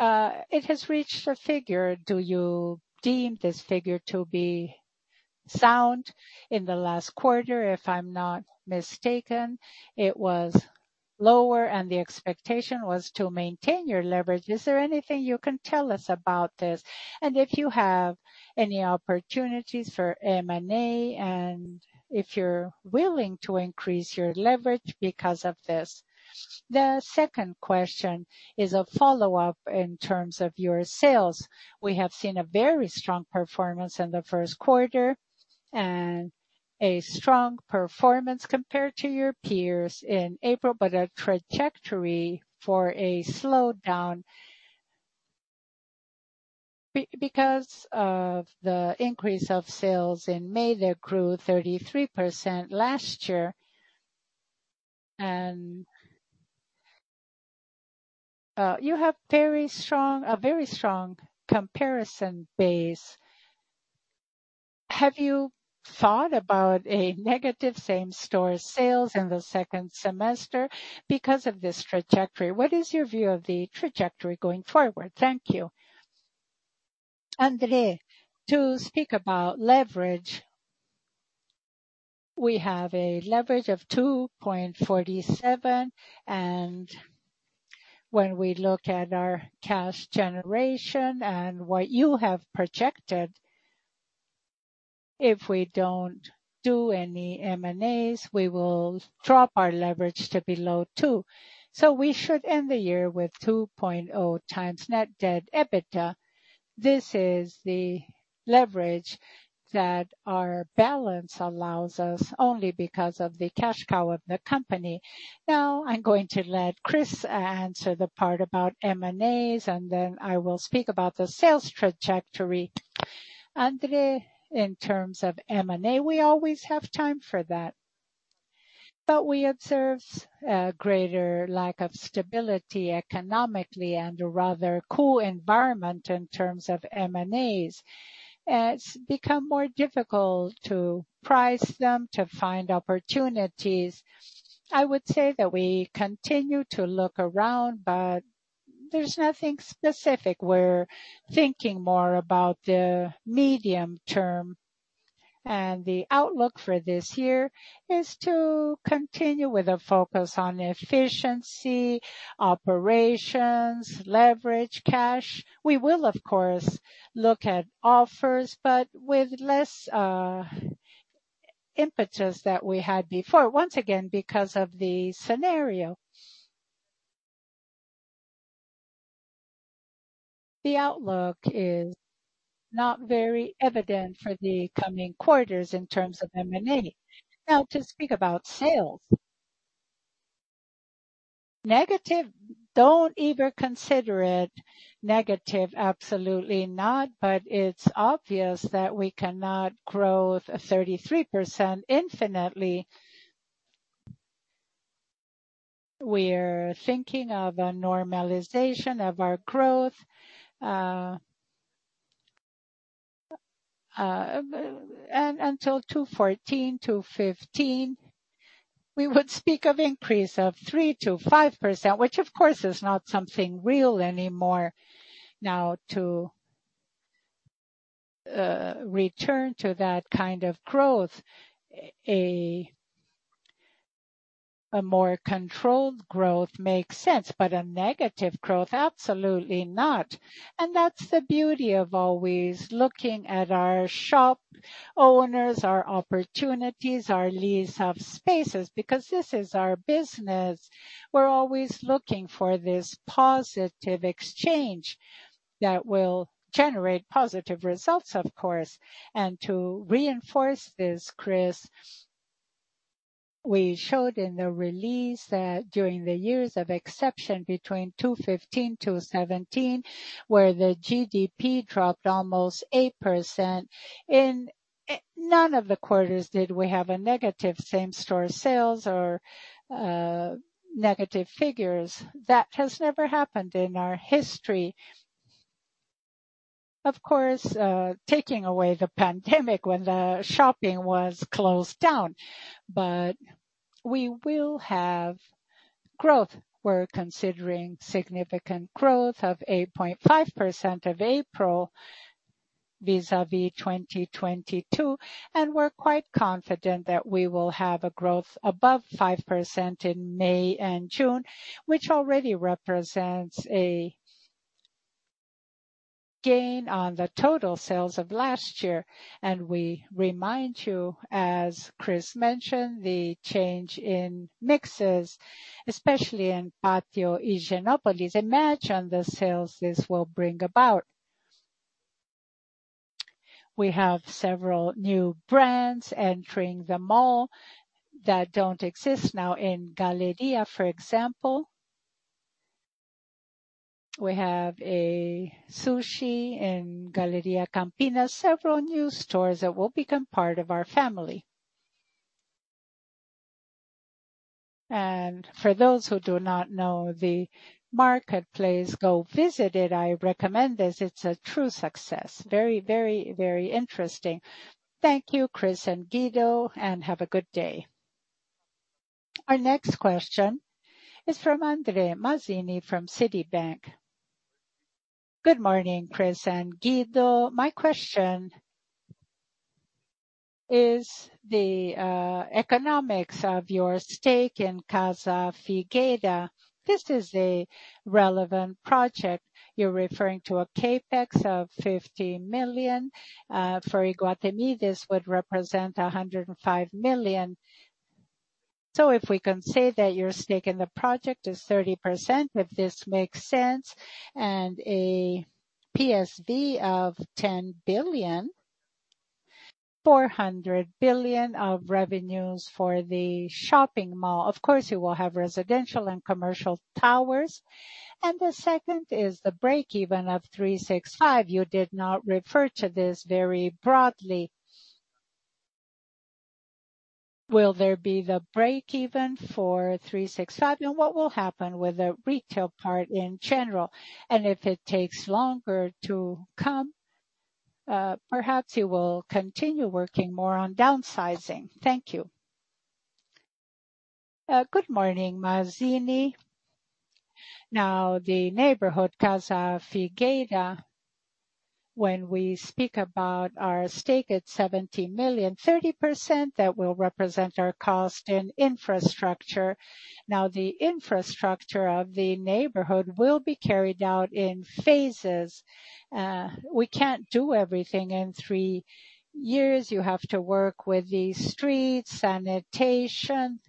It has reached a figure. Do you deem this figure to be sound? In the last quarter, if I'm not mistaken, it was lower and the expectation was to maintain your leverage. Is there anything you can tell us about this? And if you have any opportunities for M&A and if you're willing to increase your leverage because of this. The second question is a follow-up in terms of your sales. We have seen a very strong performance in the first quarter. A strong performance compared to your peers in April, but a trajectory for a slowdown because of the increase of sales in May that grew 33% last year. You have a very strong comparison base. Have you thought about a negative same-store sales in the second semester because of this trajectory? What is your view of the trajectory going forward? Thank you. Andre, to speak about leverage, we have a leverage of 2.47x, and when we look at our cash generation and what you have projected, if we don't do any M&As, we will drop our leverage to below 2x. We should end the year with 2.0x net debt EBITDA. This is the leverage that our balance allows us only because of the cash cow of the company. I'm going to let Cris answer the part about M&As, and then I will speak about the sales trajectory. Andre, in terms of M&A, we always have time for that. We observe a greater lack of stability economically and a rather cool environment in terms of M&As. It's become more difficult to price them, to find opportunities. I would say that we continue to look around. There's nothing specific. We're thinking more about the medium term. The outlook for this year is to continue with a focus on efficiency, operations, leverage, cash. We will of course, look at offers, with less impetus that we had before. Once again, because of the scenario. The outlook is not very evident for the coming quarters in terms of M&A. To speak about sales. Negative, don't even consider it negative. Absolutely not. It's obvious that we cannot grow 33% infinitely. We're thinking of a normalization of our growth until 2014, 2015, we would speak of increase of 3%-5%, which of course is not something real anymore. Now to return to that kind of growth, a more controlled growth makes sense. A negative growth, absolutely not. That's the beauty of always looking at our shop owners, our opportunities, our lease of spaces, because this is our business. We're always looking for this positive exchange that will generate positive results, of course. To reinforce this, Cris, we showed in the release that during the years of exception between 2015, 2017, where the GDP dropped almost 8%, in none of the quarters did we have a negative same-store sales or negative figures. That has never happened in our history. Of course, taking away the pandemic when the shopping was closed down. We will have growth. We're considering significant growth of 8.5% of April vis-à-vis 2022, and we're quite confident that we will have a growth above 5% in May and June, which already represents a gain on the total sales of last year. We remind you, as Cris mentioned, the change in mixes, especially in Pátio Higienópolis. Imagine the sales this will bring about. We have several new brands entering the mall that don't exist now. In Galleria, for example, we have a sushi in Galleria Campinas. Several new stores that will become part of our family. For those who do not know the marketplace, go visit it. I recommend this. It's a true success. Very interesting. Thank you, Cris and Guido, have a good day. Our next question is from Andre Mazini from Citi. Good morning, Cris and Guido. My question is the economics of your stake in Casa Figueira. This is a relevant project. You're referring to a CapEx of 50 million for Iguatemi. This would represent 105 million. If we can say that your stake in the project is 30%, if this makes sense, and a PSV of 10 billion. 400 billion of revenues for the shopping mall. Of course, you will have residential and commercial towers. The second is the breakeven of 365. You did not refer to this very broadly. Will there be the breakeven for 365? What will happen with the retail part in general? If it takes longer to come, perhaps you will continue working more on downsizing. Thank you. Good morning, Mazini. The neighborhood Casa Figueira, when we speak about our stake at 70 million, 30%, that will represent our cost in infrastructure. The infrastructure of the neighborhood will be carried out in phases. We can't do everything in three years. You have to work with the streets, sanitation,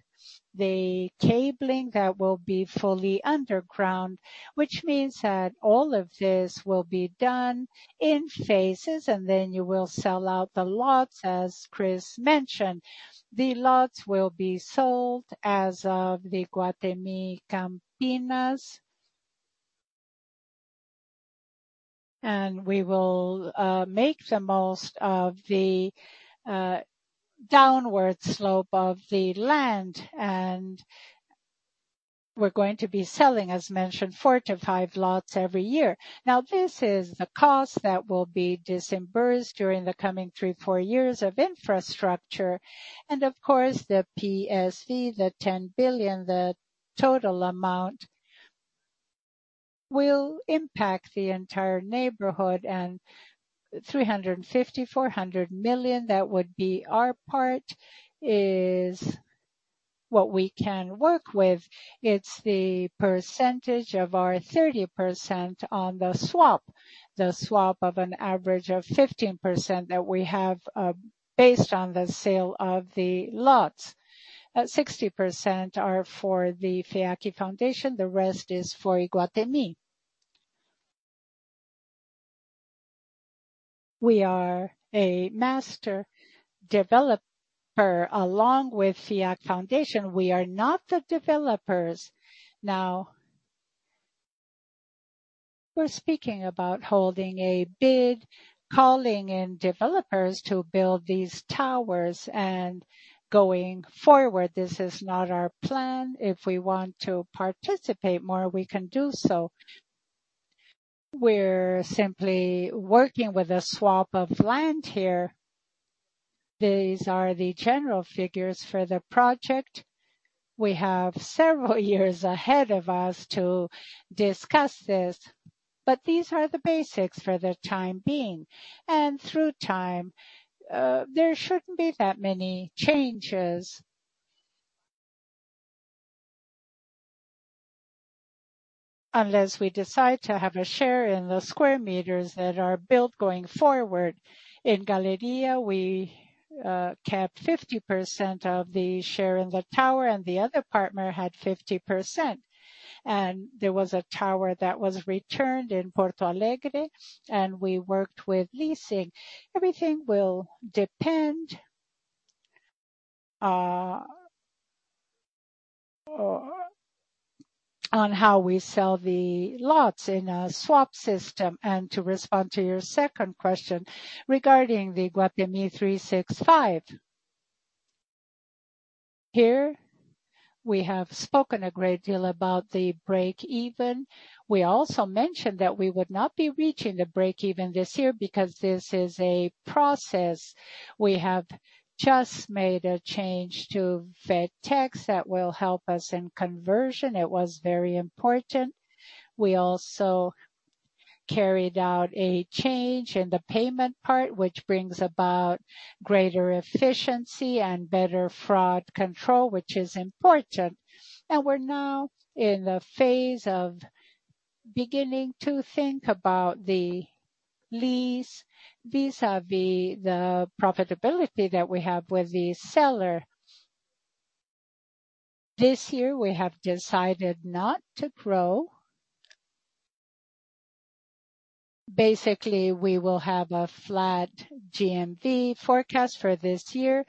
the cabling that will be fully underground, which means that all of this will be done in phases, and then you will sell out the lots, as Cris mentioned. The lots will be sold as of the Iguatemi Campinas. We will make the most of the downward slope of the land, and we're going to be selling, as mentioned, four to five lots every year. This is the cost that will be disbursed during the coming 3 years-4 years of infrastructure. Of course, the PSV, the 10 billion, the total amount will impact the entire neighborhood. 350 million-400 million, that would be our part, is what we can work with. It's the percentage of our 30% on the swap, the swap of an average of 15% that we have, based on the sale of the lots. 60% are for the FIAC Foundation. The rest is for Iguatemi. We are a master developer along with FIAC Foundation. We are not the developers. We're speaking about holding a bid, calling in developers to build these towers and going forward. This is not our plan. If we want to participate more, we can do so. We're simply working with a swap of land here. These are the general figures for the project. We have several years ahead of us to discuss this, but these are the basics for the time being. Through time, there shouldn't be that many changes. Unless we decide to have a share in the square meters that are built going forward. In Galleria, we kept 50% of the share in the tower, and the other partner had 50%. There was a tower that was returned in Porto Alegre, and we worked with leasing. Everything will depend on how we sell the lots in a swap system. To respond to your second question regarding the Iguatemi 365. Here we have spoken a great deal about the break even. We also mentioned that we would not be reaching the break even this year because this is a process. We have just made a change to FedTech that will help us in conversion. It was very important. We also carried out a change in the payment part, which brings about greater efficiency and better fraud control, which is important. We're now in the phase of beginning to think about the lease vis-à-vis the profitability that we have with the seller. This year we have decided not to grow. Basically, we will have a flat GMV forecast for this year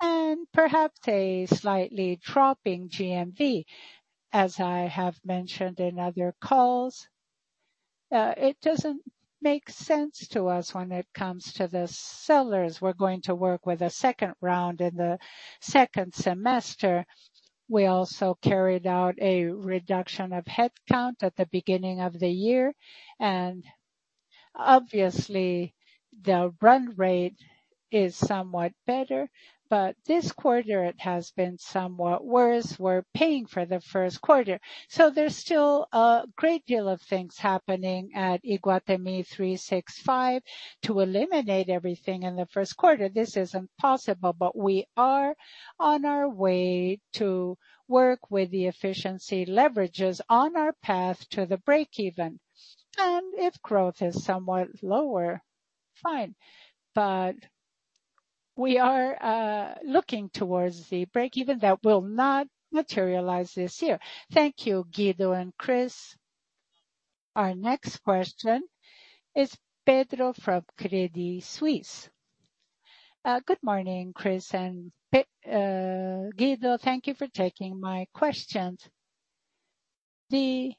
and perhaps a slightly dropping GMV. As I have mentioned in other calls, it doesn't make sense to us when it comes to the sellers. We're going to work with a second round in the second semester. We also carried out a reduction of headcount at the beginning of the year, and obviously the run rate is somewhat better, but this quarter it has been somewhat worse. We're paying for the 1st quarter. There's still a great deal of things happening at Iguatemi 365 to eliminate everything in the 1st quarter. This isn't possible, we are on our way to work with the efficiency leverages on our path to the breakeven. If growth is somewhat lower. Fine. We are looking towards the breakeven that will not materialize this year. Thank you, Guido and Cris. Our next question is Pedro from Credit Suisse. Good morning, Cris and Guido. Thank you for taking my questions. The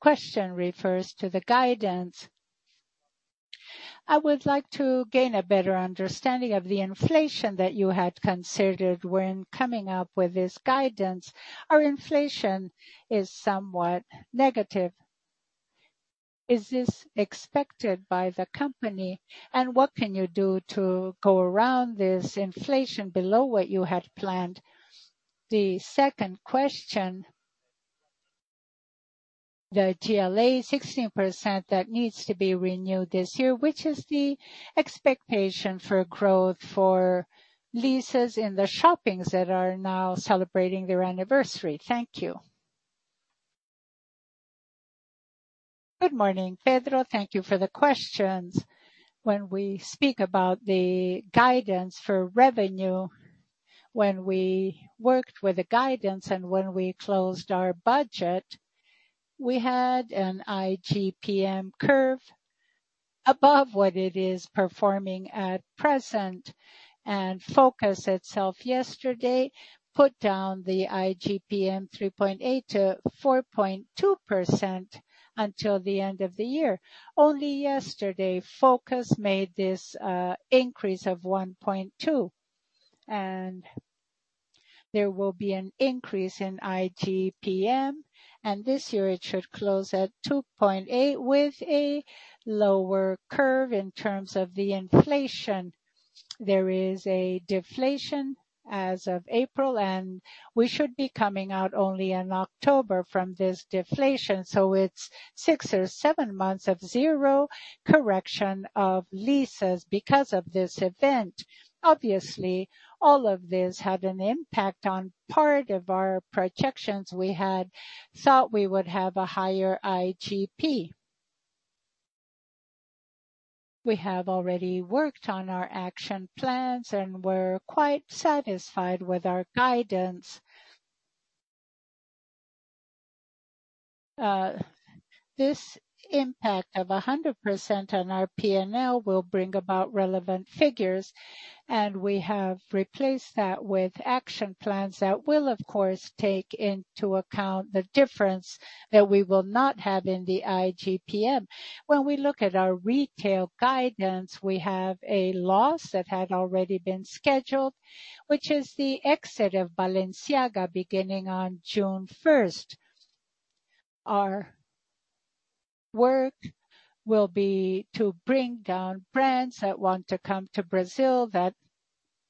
question refers to the guidance. I would like to gain a better understanding of the inflation that you had considered when coming up with this guidance. Our inflation is somewhat negative. Is this expected by the company? What can you do to go around this inflation below what you had planned? The second question, the GLA 16% that needs to be renewed this year, which is the expectation for growth for leases in the shoppings that are now celebrating their anniversary. Thank you. Good morning, Pedro. Thank you for the questions. When we speak about the guidance for revenue, when we worked with the guidance and when we closed our budget, we had an IGPM curve above what it is performing at present. Focus itself yesterday put down the IGPM 3.8%-4.2% until the end of the year. Only yesterday, Focus made this increase of 1.2, and there will be an increase in IGPM, and this year it should close at 2.8% with a lower curve in terms of the inflation. There is a deflation as of April, and we should be coming out only in October from this deflation. It's six months or seven months of zero correction of leases because of this event. All of this had an impact on part of our projections. We had thought we would have a higher IGP. We have already worked on our action plans, and we're quite satisfied with our guidance. This impact of 100% on our P&L will bring about relevant figures, and we have replaced that with action plans that will, of course, take into account the difference that we will not have in the IGPM. We look at our retail guidance, we have a loss that had already been scheduled, which is the exit of Balenciaga beginning on June 1st. Our work will be to bring down brands that want to come to Brazil,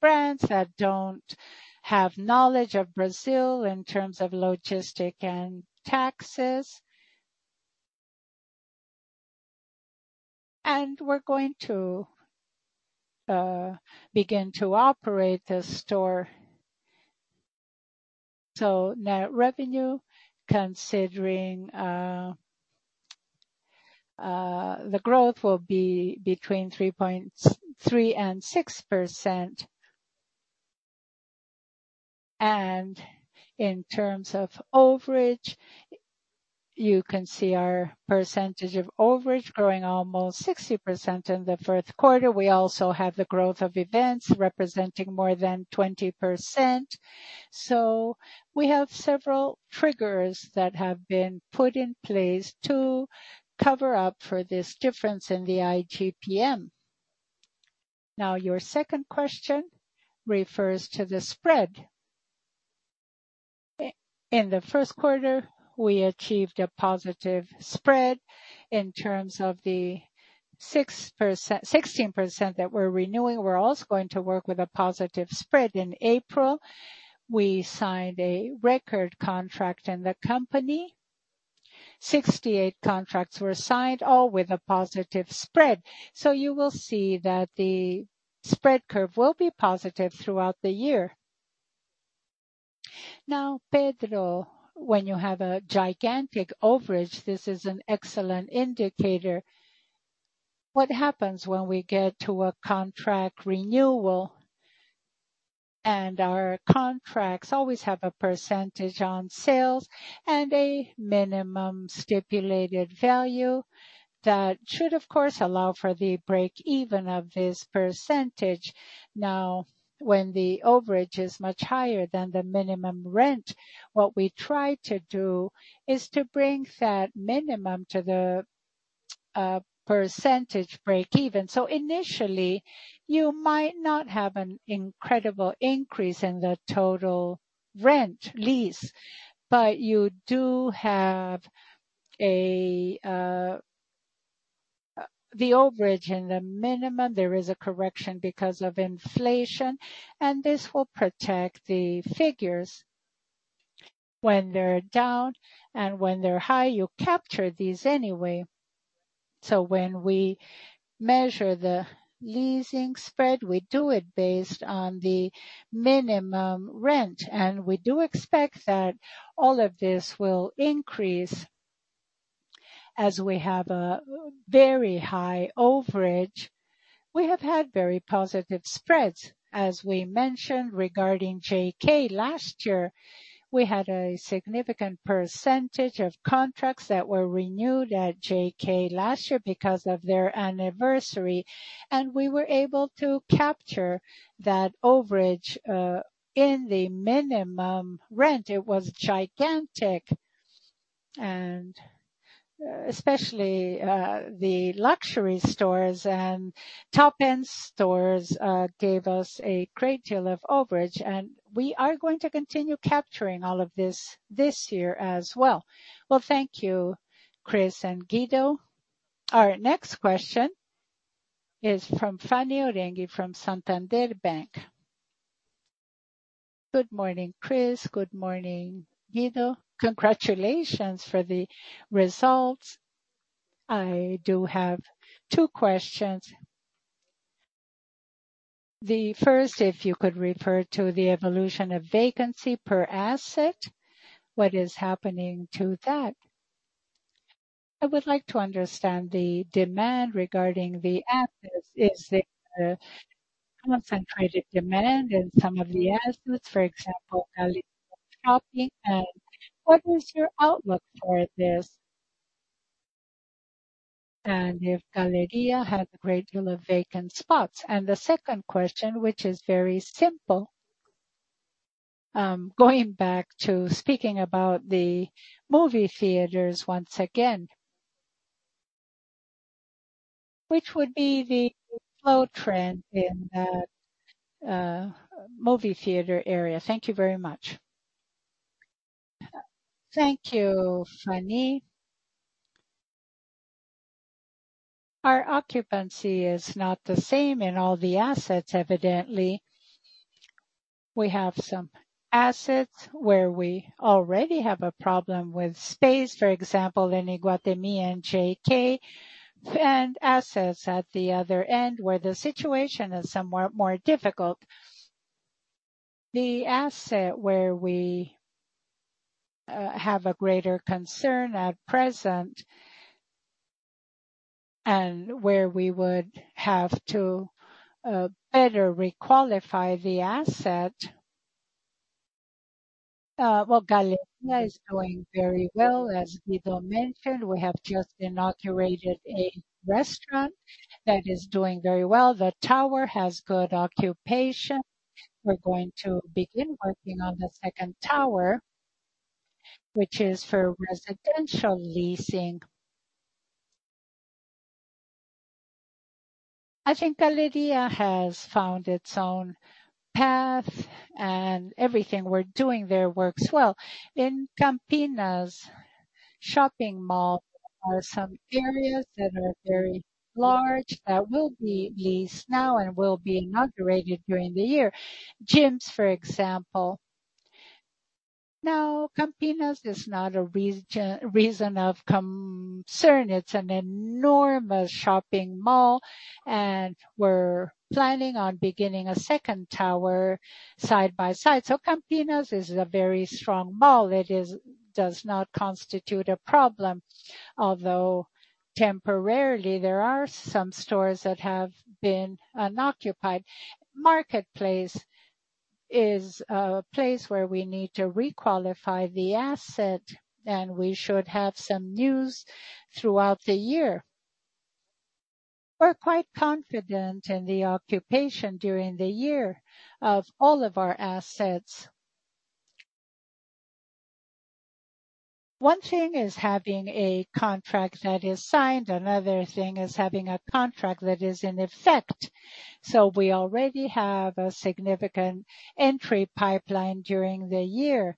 brands that don't have knowledge of Brazil in terms of logistics and taxes. We're going to begin to operate the store. Net revenue, considering the growth will be between 3.3% and 6%. In terms of overage, you can see our percentage of overage growing almost 60% in the first quarter. We also have the growth of events representing more than 20%. We have several triggers that have been put in place to cover up for this difference in the IGPM. Your second question refers to the spread. In the first quarter, we achieved a positive spread. In terms of the 16% that we're renewing, we're also going to work with a positive spread. In April, we signed a record contract in the company. 68 contracts were signed, all with a positive spread. You will see that the spread curve will be positive throughout the year. Pedro, when you have a gigantic overage, this is an excellent indicator. What happens when we get to a contract renewal, and our contracts always have a percentage on sales and a minimum stipulated value. That should, of course, allow for the break even of this percentage. When the overage is much higher than the minimum rent, what we try to do is to bring that minimum to the percentage break even. Initially, you might not have an incredible increase in the total rent lease, but you do have the overage and the minimum. There is a correction because of inflation, and this will protect the figures. When they're down and when they're high, you capture these anyway. When we measure the leasing spread, we do it based on the minimum rent. We do expect that all of this will increase. As we have a very high overage, we have had very positive spreads. As we mentioned regarding JK last year, we had a significant percentage of contracts that were renewed at JK last year because of their anniversary, and we were able to capture that overage in the minimum rent. It was gigantic. Especially, the luxury stores and top-end stores gave us a great deal of overage, and we are going to continue capturing all of this year as well. Thank you, Cris and Guido. Our next question is from Fanny Oreng from Santander Bank. Good morning, Cris. Good morning, Guido. Congratulations for the results. I do have two questions. The first, if you could refer to the evolution of vacancy per asset, what is happening to that? I would like to understand the demand regarding the assets. Is there a concentrated demand in some of the assets, for example, Galleria Shopping? What is your outlook for this? If Galleria had a great deal of vacant spots. The second question, which is very simple, going back to speaking about the movie theaters once again. Which would be the flow trend in that movie theater area? Thank you very much. Thank you, Fanny. Our occupancy is not the same in all the assets evidently. We have some assets where we already have a problem with space, for example, in Iguatemi and JK, and assets at the other end where the situation is somewhat more difficult. The asset where we have a greater concern at present and where we would have to better requalify the asset. Well, Galleria is doing very well. As Guido mentioned, we have just inaugurated a restaurant that is doing very well. The tower has good occupation. We're going to begin working on the second tower, which is for residential leasing. I think Galleria has found its own path, and everything we're doing there works well. In Campinas shopping mall, there are some areas that are very large that will be leased now and will be inaugurated during the year. Gyms, for example. Campinas is not a reason of concern. It's an enormous shopping mall, and we're planning on beginning a second tower side by side. Campinas is a very strong mall. It does not constitute a problem, although temporarily, there are some stores that have been unoccupied. Marketplace is a place where we need to requalify the asset, and we should have some news throughout the year. We're quite confident in the occupation during the year of all of our assets. One thing is having a contract that is signed. Another thing is having a contract that is in effect. We already have a significant entry pipeline during the year,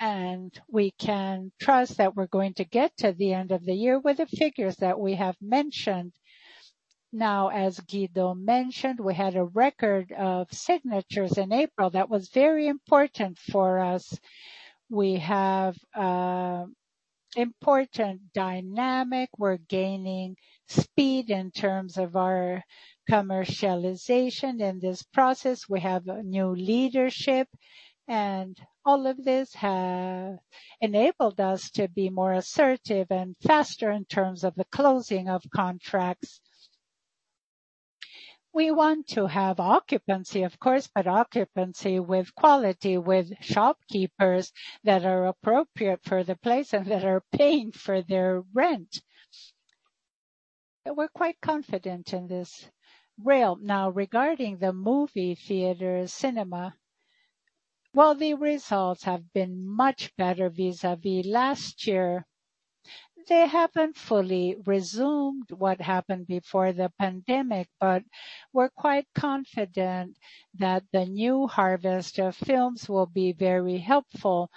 and we can trust that we're going to get to the end of the year with the figures that we have mentioned. As Guido mentioned, we had a record of signatures in April. That was very important for us. We have important dynamic. We're gaining speed in terms of our commercialization in this process. We have new leadership, all of this have enabled us to be more assertive and faster in terms of the closing of contracts. We want to have occupancy, of course, occupancy with quality, with shopkeepers that are appropriate for the place and that are paying for their rent. We're quite confident in this realm. Now, regarding the movie theater cinema, while the results have been much better vis-a-vis last year, they haven't fully resumed what happened before the pandemic. We're quite confident that the new harvest of films will be very helpful.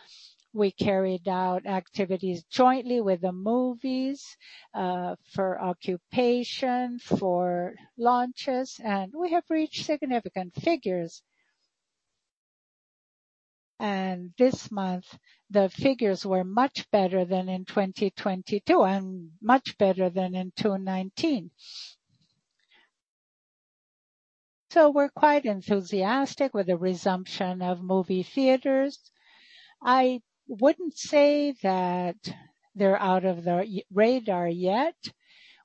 We carried out activities jointly with the movies, for occupation, for launches, and we have reached significant figures. This month, the figures were much better than in 2022 and much better than in 2019. We're quite enthusiastic with the resumption of movie theaters. I wouldn't say that they're out of the radar yet.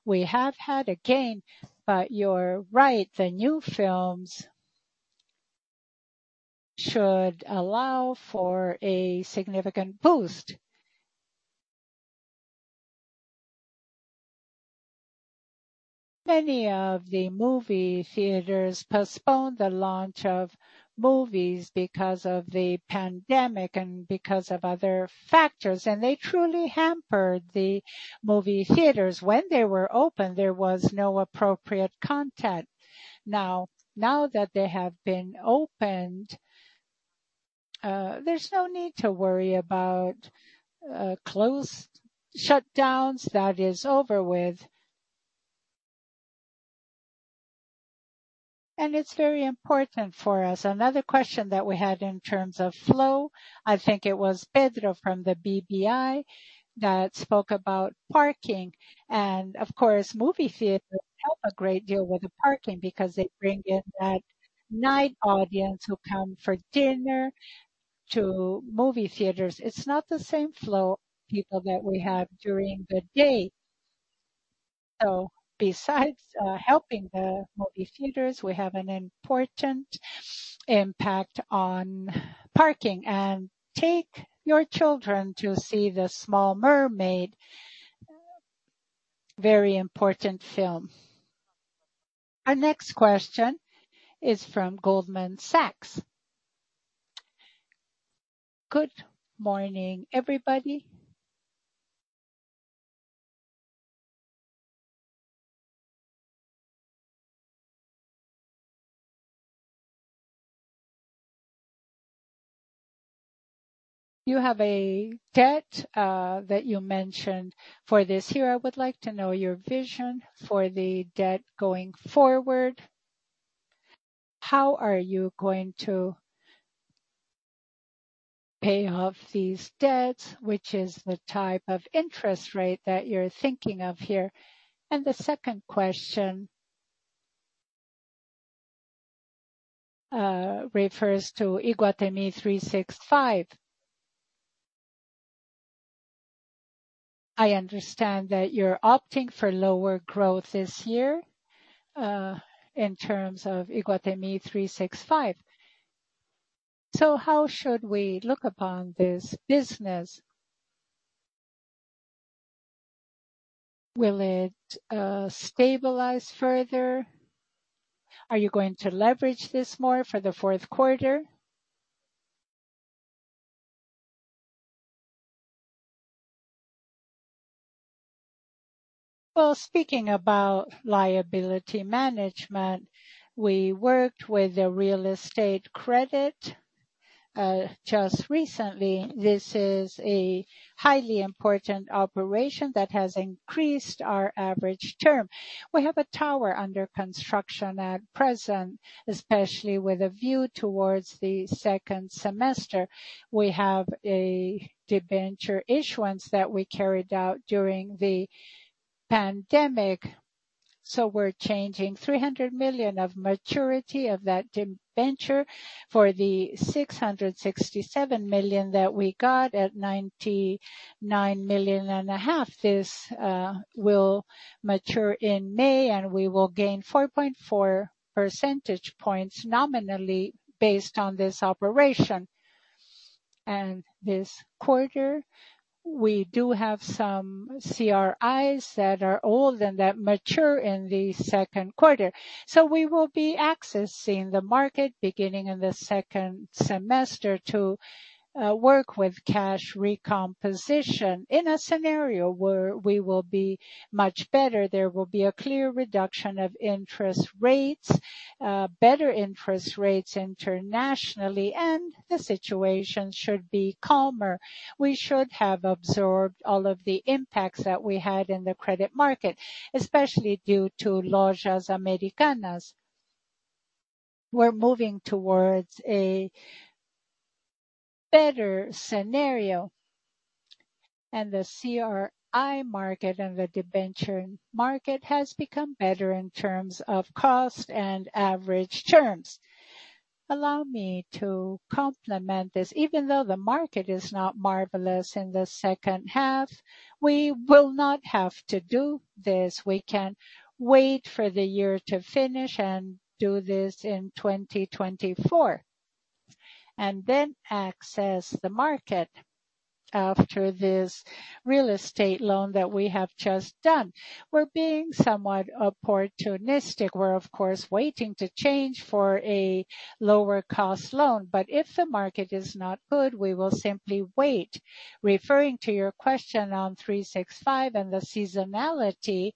We have had a gain, but you're right, the new films should allow for a significant boost. Many of the movie theaters postponed the launch of movies because of the pandemic and because of other factors, and they truly hampered the movie theaters. When they were open, there was no appropriate content. Now that they have been opened, there's no need to worry about shutdowns. That is over with. It's very important for us. Another question that we had in terms of flow, I think it was Pedro from the BBI that spoke about parking. Of course, movie theaters help a great deal with the parking because they bring in that night audience who come for dinner to movie theaters. It's not the same flow of people that we have during the day. Besides, helping the movie theaters, we have an important impact on parking. Take your children to see The Little Mermaid. Very important film. Our next question is from Goldman Sachs. Good morning, everybody. You have a debt that you mentioned for this year. I would like to know your vision for the debt going forward. How are you going to pay off these debts? Which is the type of interest rate that you're thinking of here? The second question refers to Iguatemi 365. I understand that you're opting for lower growth this year, in terms of Iguatemi 365. How should we look upon this business? Will it stabilize further? Are you going to leverage this more for the fourth quarter? Speaking about liability management, we worked with a real estate credit just recently. This is a highly important operation that has increased our average term. We have a tower under construction at present, especially with a view towards the second semester. We have a debenture issuance that we carried out during the pandemic. We're changing 300 million of maturity of that debenture for the 667 million that we got at 99 million and a half. This will mature in May. We will gain 4.4 percentage points nominally based on this operation. This quarter, we do have some CRIs that are old and that mature in the second quarter. We will be accessing the market beginning in the second semester to work with cash recomposition in a scenario where we will be much better. There will be a clear reduction of interest rates, better interest rates internationally. The situation should be calmer. We should have absorbed all of the impacts that we had in the credit market, especially due to Lojas Americanas. We're moving towards a better scenario. The CRI market and the debenture market has become better in terms of cost and average terms. Allow me to complement this. Even though the market is not marvelous in the second half, we will not have to do this. We can wait for the year to finish and do this in 2024. Then access the market after this real estate loan that we have just done. We're being somewhat opportunistic. We're of course, waiting to change for a lower cost loan. If the market is not good, we will simply wait. Referring to your question on 365 and the seasonality,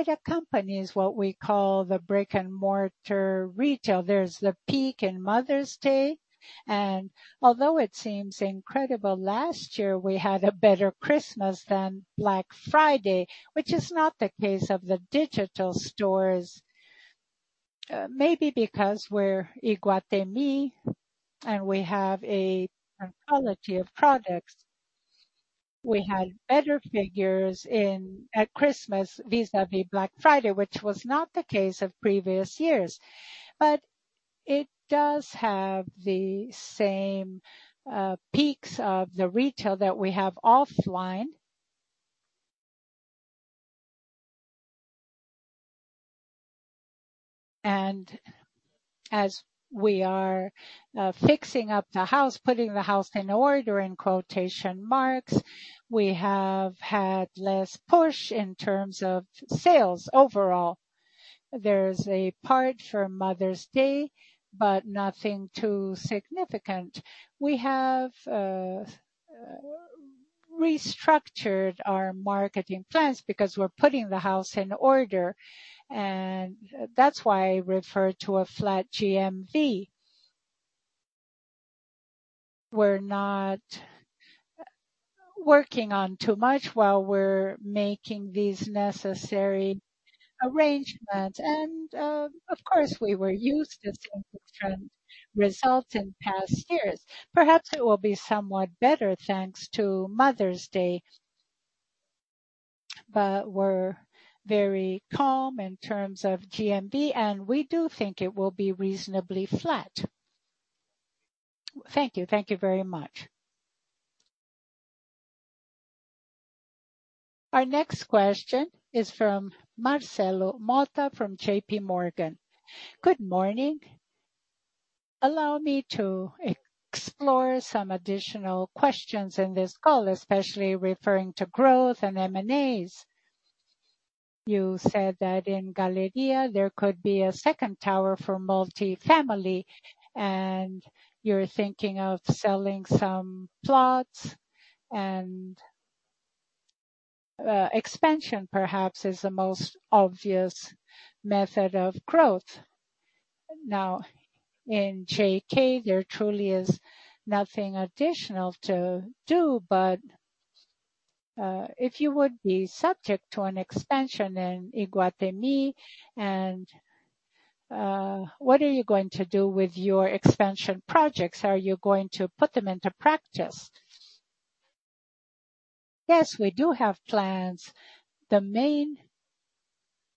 it accompanies what we call the brick-and-mortar retail. There's the peak in Mother's Day, and although it seems incredible, last year we had a better Christmas than Black Friday, which is not the case of the digital stores. Maybe because we're Iguatemi and we have a different quality of products. We had better figures in, at Cristmas vis-a-vis Black Friday, which was not the case of previous years. It does have the same peaks of the retail that we have offline. As we are fixing up the house, putting the house in order, in quotation marks, we have had less push in terms of sales overall. There's a part for Mother's Day, but nothing too significant. We have restructured our marketing plans because we're putting the house in order, and that's why I refer to a flat GMV. We're not working on too much while we're making these necessary arrangements. Of course, we were used to different results in past years. Perhaps it will be somewhat better thanks to Mother's Day. We're very calm in terms of GMV, and we do think it will be reasonably flat. Thank you. Thank you very much. Our next question is from Marcelo Motta from JPMorgan. Good morning. Allow me to explore some additional questions in this call, especially referring to growth and M&As. You said that in Galleria there could be a second tower for multifamily, and you're thinking of selling some plots and expansion perhaps is the most obvious method of growth. In J.K., there truly is nothing additional to do but if you would be subject to an expansion in Iguatemi and, what are you going to do with your expansion projects? Are you going to put them into practice? Yes, we do have plans. The main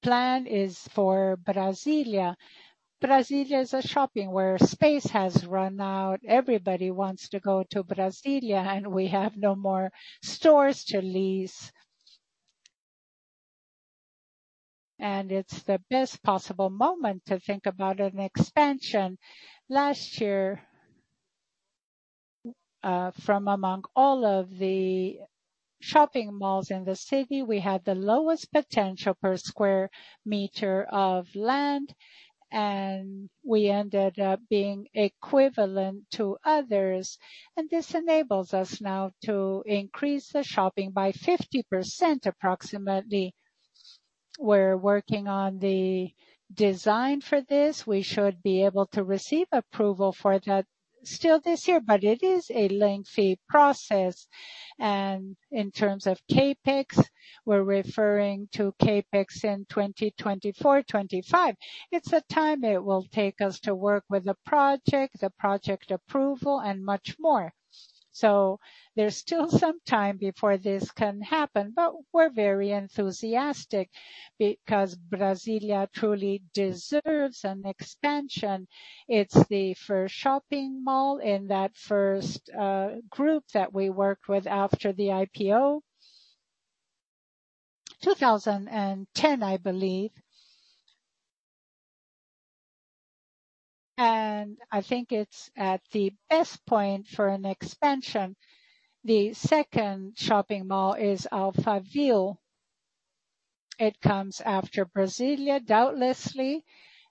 plan is for Brasília. Brasília is a shopping where space has run out. Everybody wants to go to Brasília, and we have no more stores to lease. It's the best possible moment to think about an expansion. Last year, from among all of the shopping malls in the city, we had the lowest potential per square meter of land, and we ended up being equivalent to others. This enables us now to increase the shopping by 50% approximately. We're working on the design for this. We should be able to receive approval for that still this year, but it is a lengthy process. In terms of CapEx, we're referring to CapEx in 2024, 2025. It's a time it will take us to work with the project, the project approval and much more. There's still some time before this can happen, but we're very enthusiastic because Brasília truly deserves an expansion. It's the first shopping mall in that first group that we worked with after the IPO. 2010, I believe. I think it's at the best point for an expansion. The second shopping mall is Alphaville. It comes after Brasília, doubtlessly.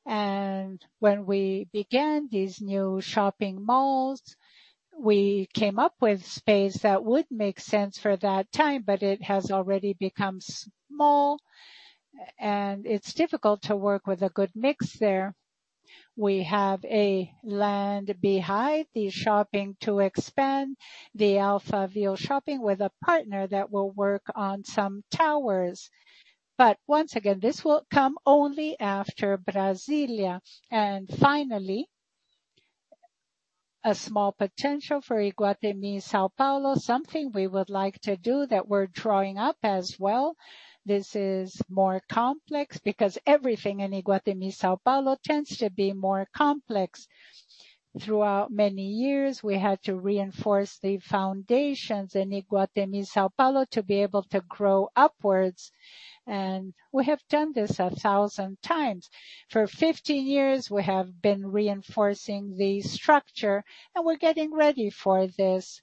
When we began these new shopping malls, we came up with space that would make sense for that time, but it has already become small and it's difficult to work with a good mix there. We have a land behind the shopping to expand the Alphaville Shopping with a partner that will work on some towers. Once again, this will come only after Brasília. Finally, a small potential for Iguatemi São Paulo, something we would like to do that we're drawing up as well. This is more complex because everything in Iguatemi São Paulo tends to be more complex. Throughout many years, we had to reinforce the foundations in Iguatemi São Paulo to be able to grow upwards. We have done this 1,000x. For 15 years, we have been reinforcing the structure and we're getting ready for this.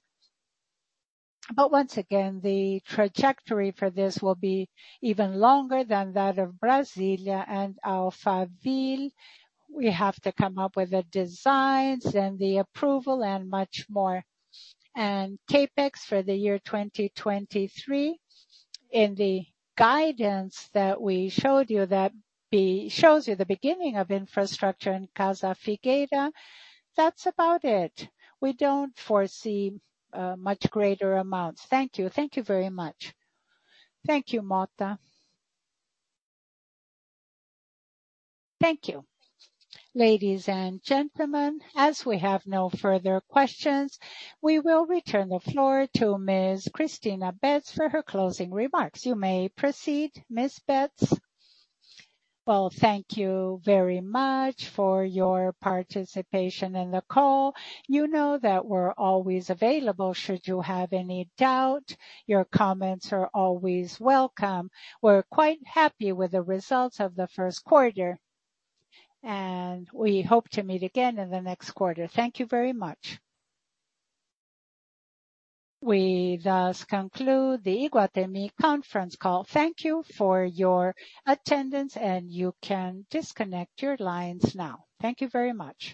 Once again, the trajectory for this will be even longer than that of Brasília and Alphaville. We have to come up with the designs and the approval and much more. CapEx for the year 2023, in the guidance that we showed you, that shows you the beginning of infrastructure in Casa Figueira. That's about it. We don't foresee much greater amounts. Thank you. Thank you very much. Thank you, Motta. Thank you. Ladies and gentlemen, as we have no further questions, we will return the floor to Ms. Cristina Betts for her closing remarks. You may proceed, Ms. Betts. Well, thank you very much for your participation in the call. You know that we're always available should you have any doubt. Your comments are always welcome. We're quite happy with the results of the first quarter, and we hope to meet again in the next quarter. Thank you very much. We thus conclude the Iguatemi conference call. Thank you for your attendance, and you can disconnect your lines now. Thank you very much.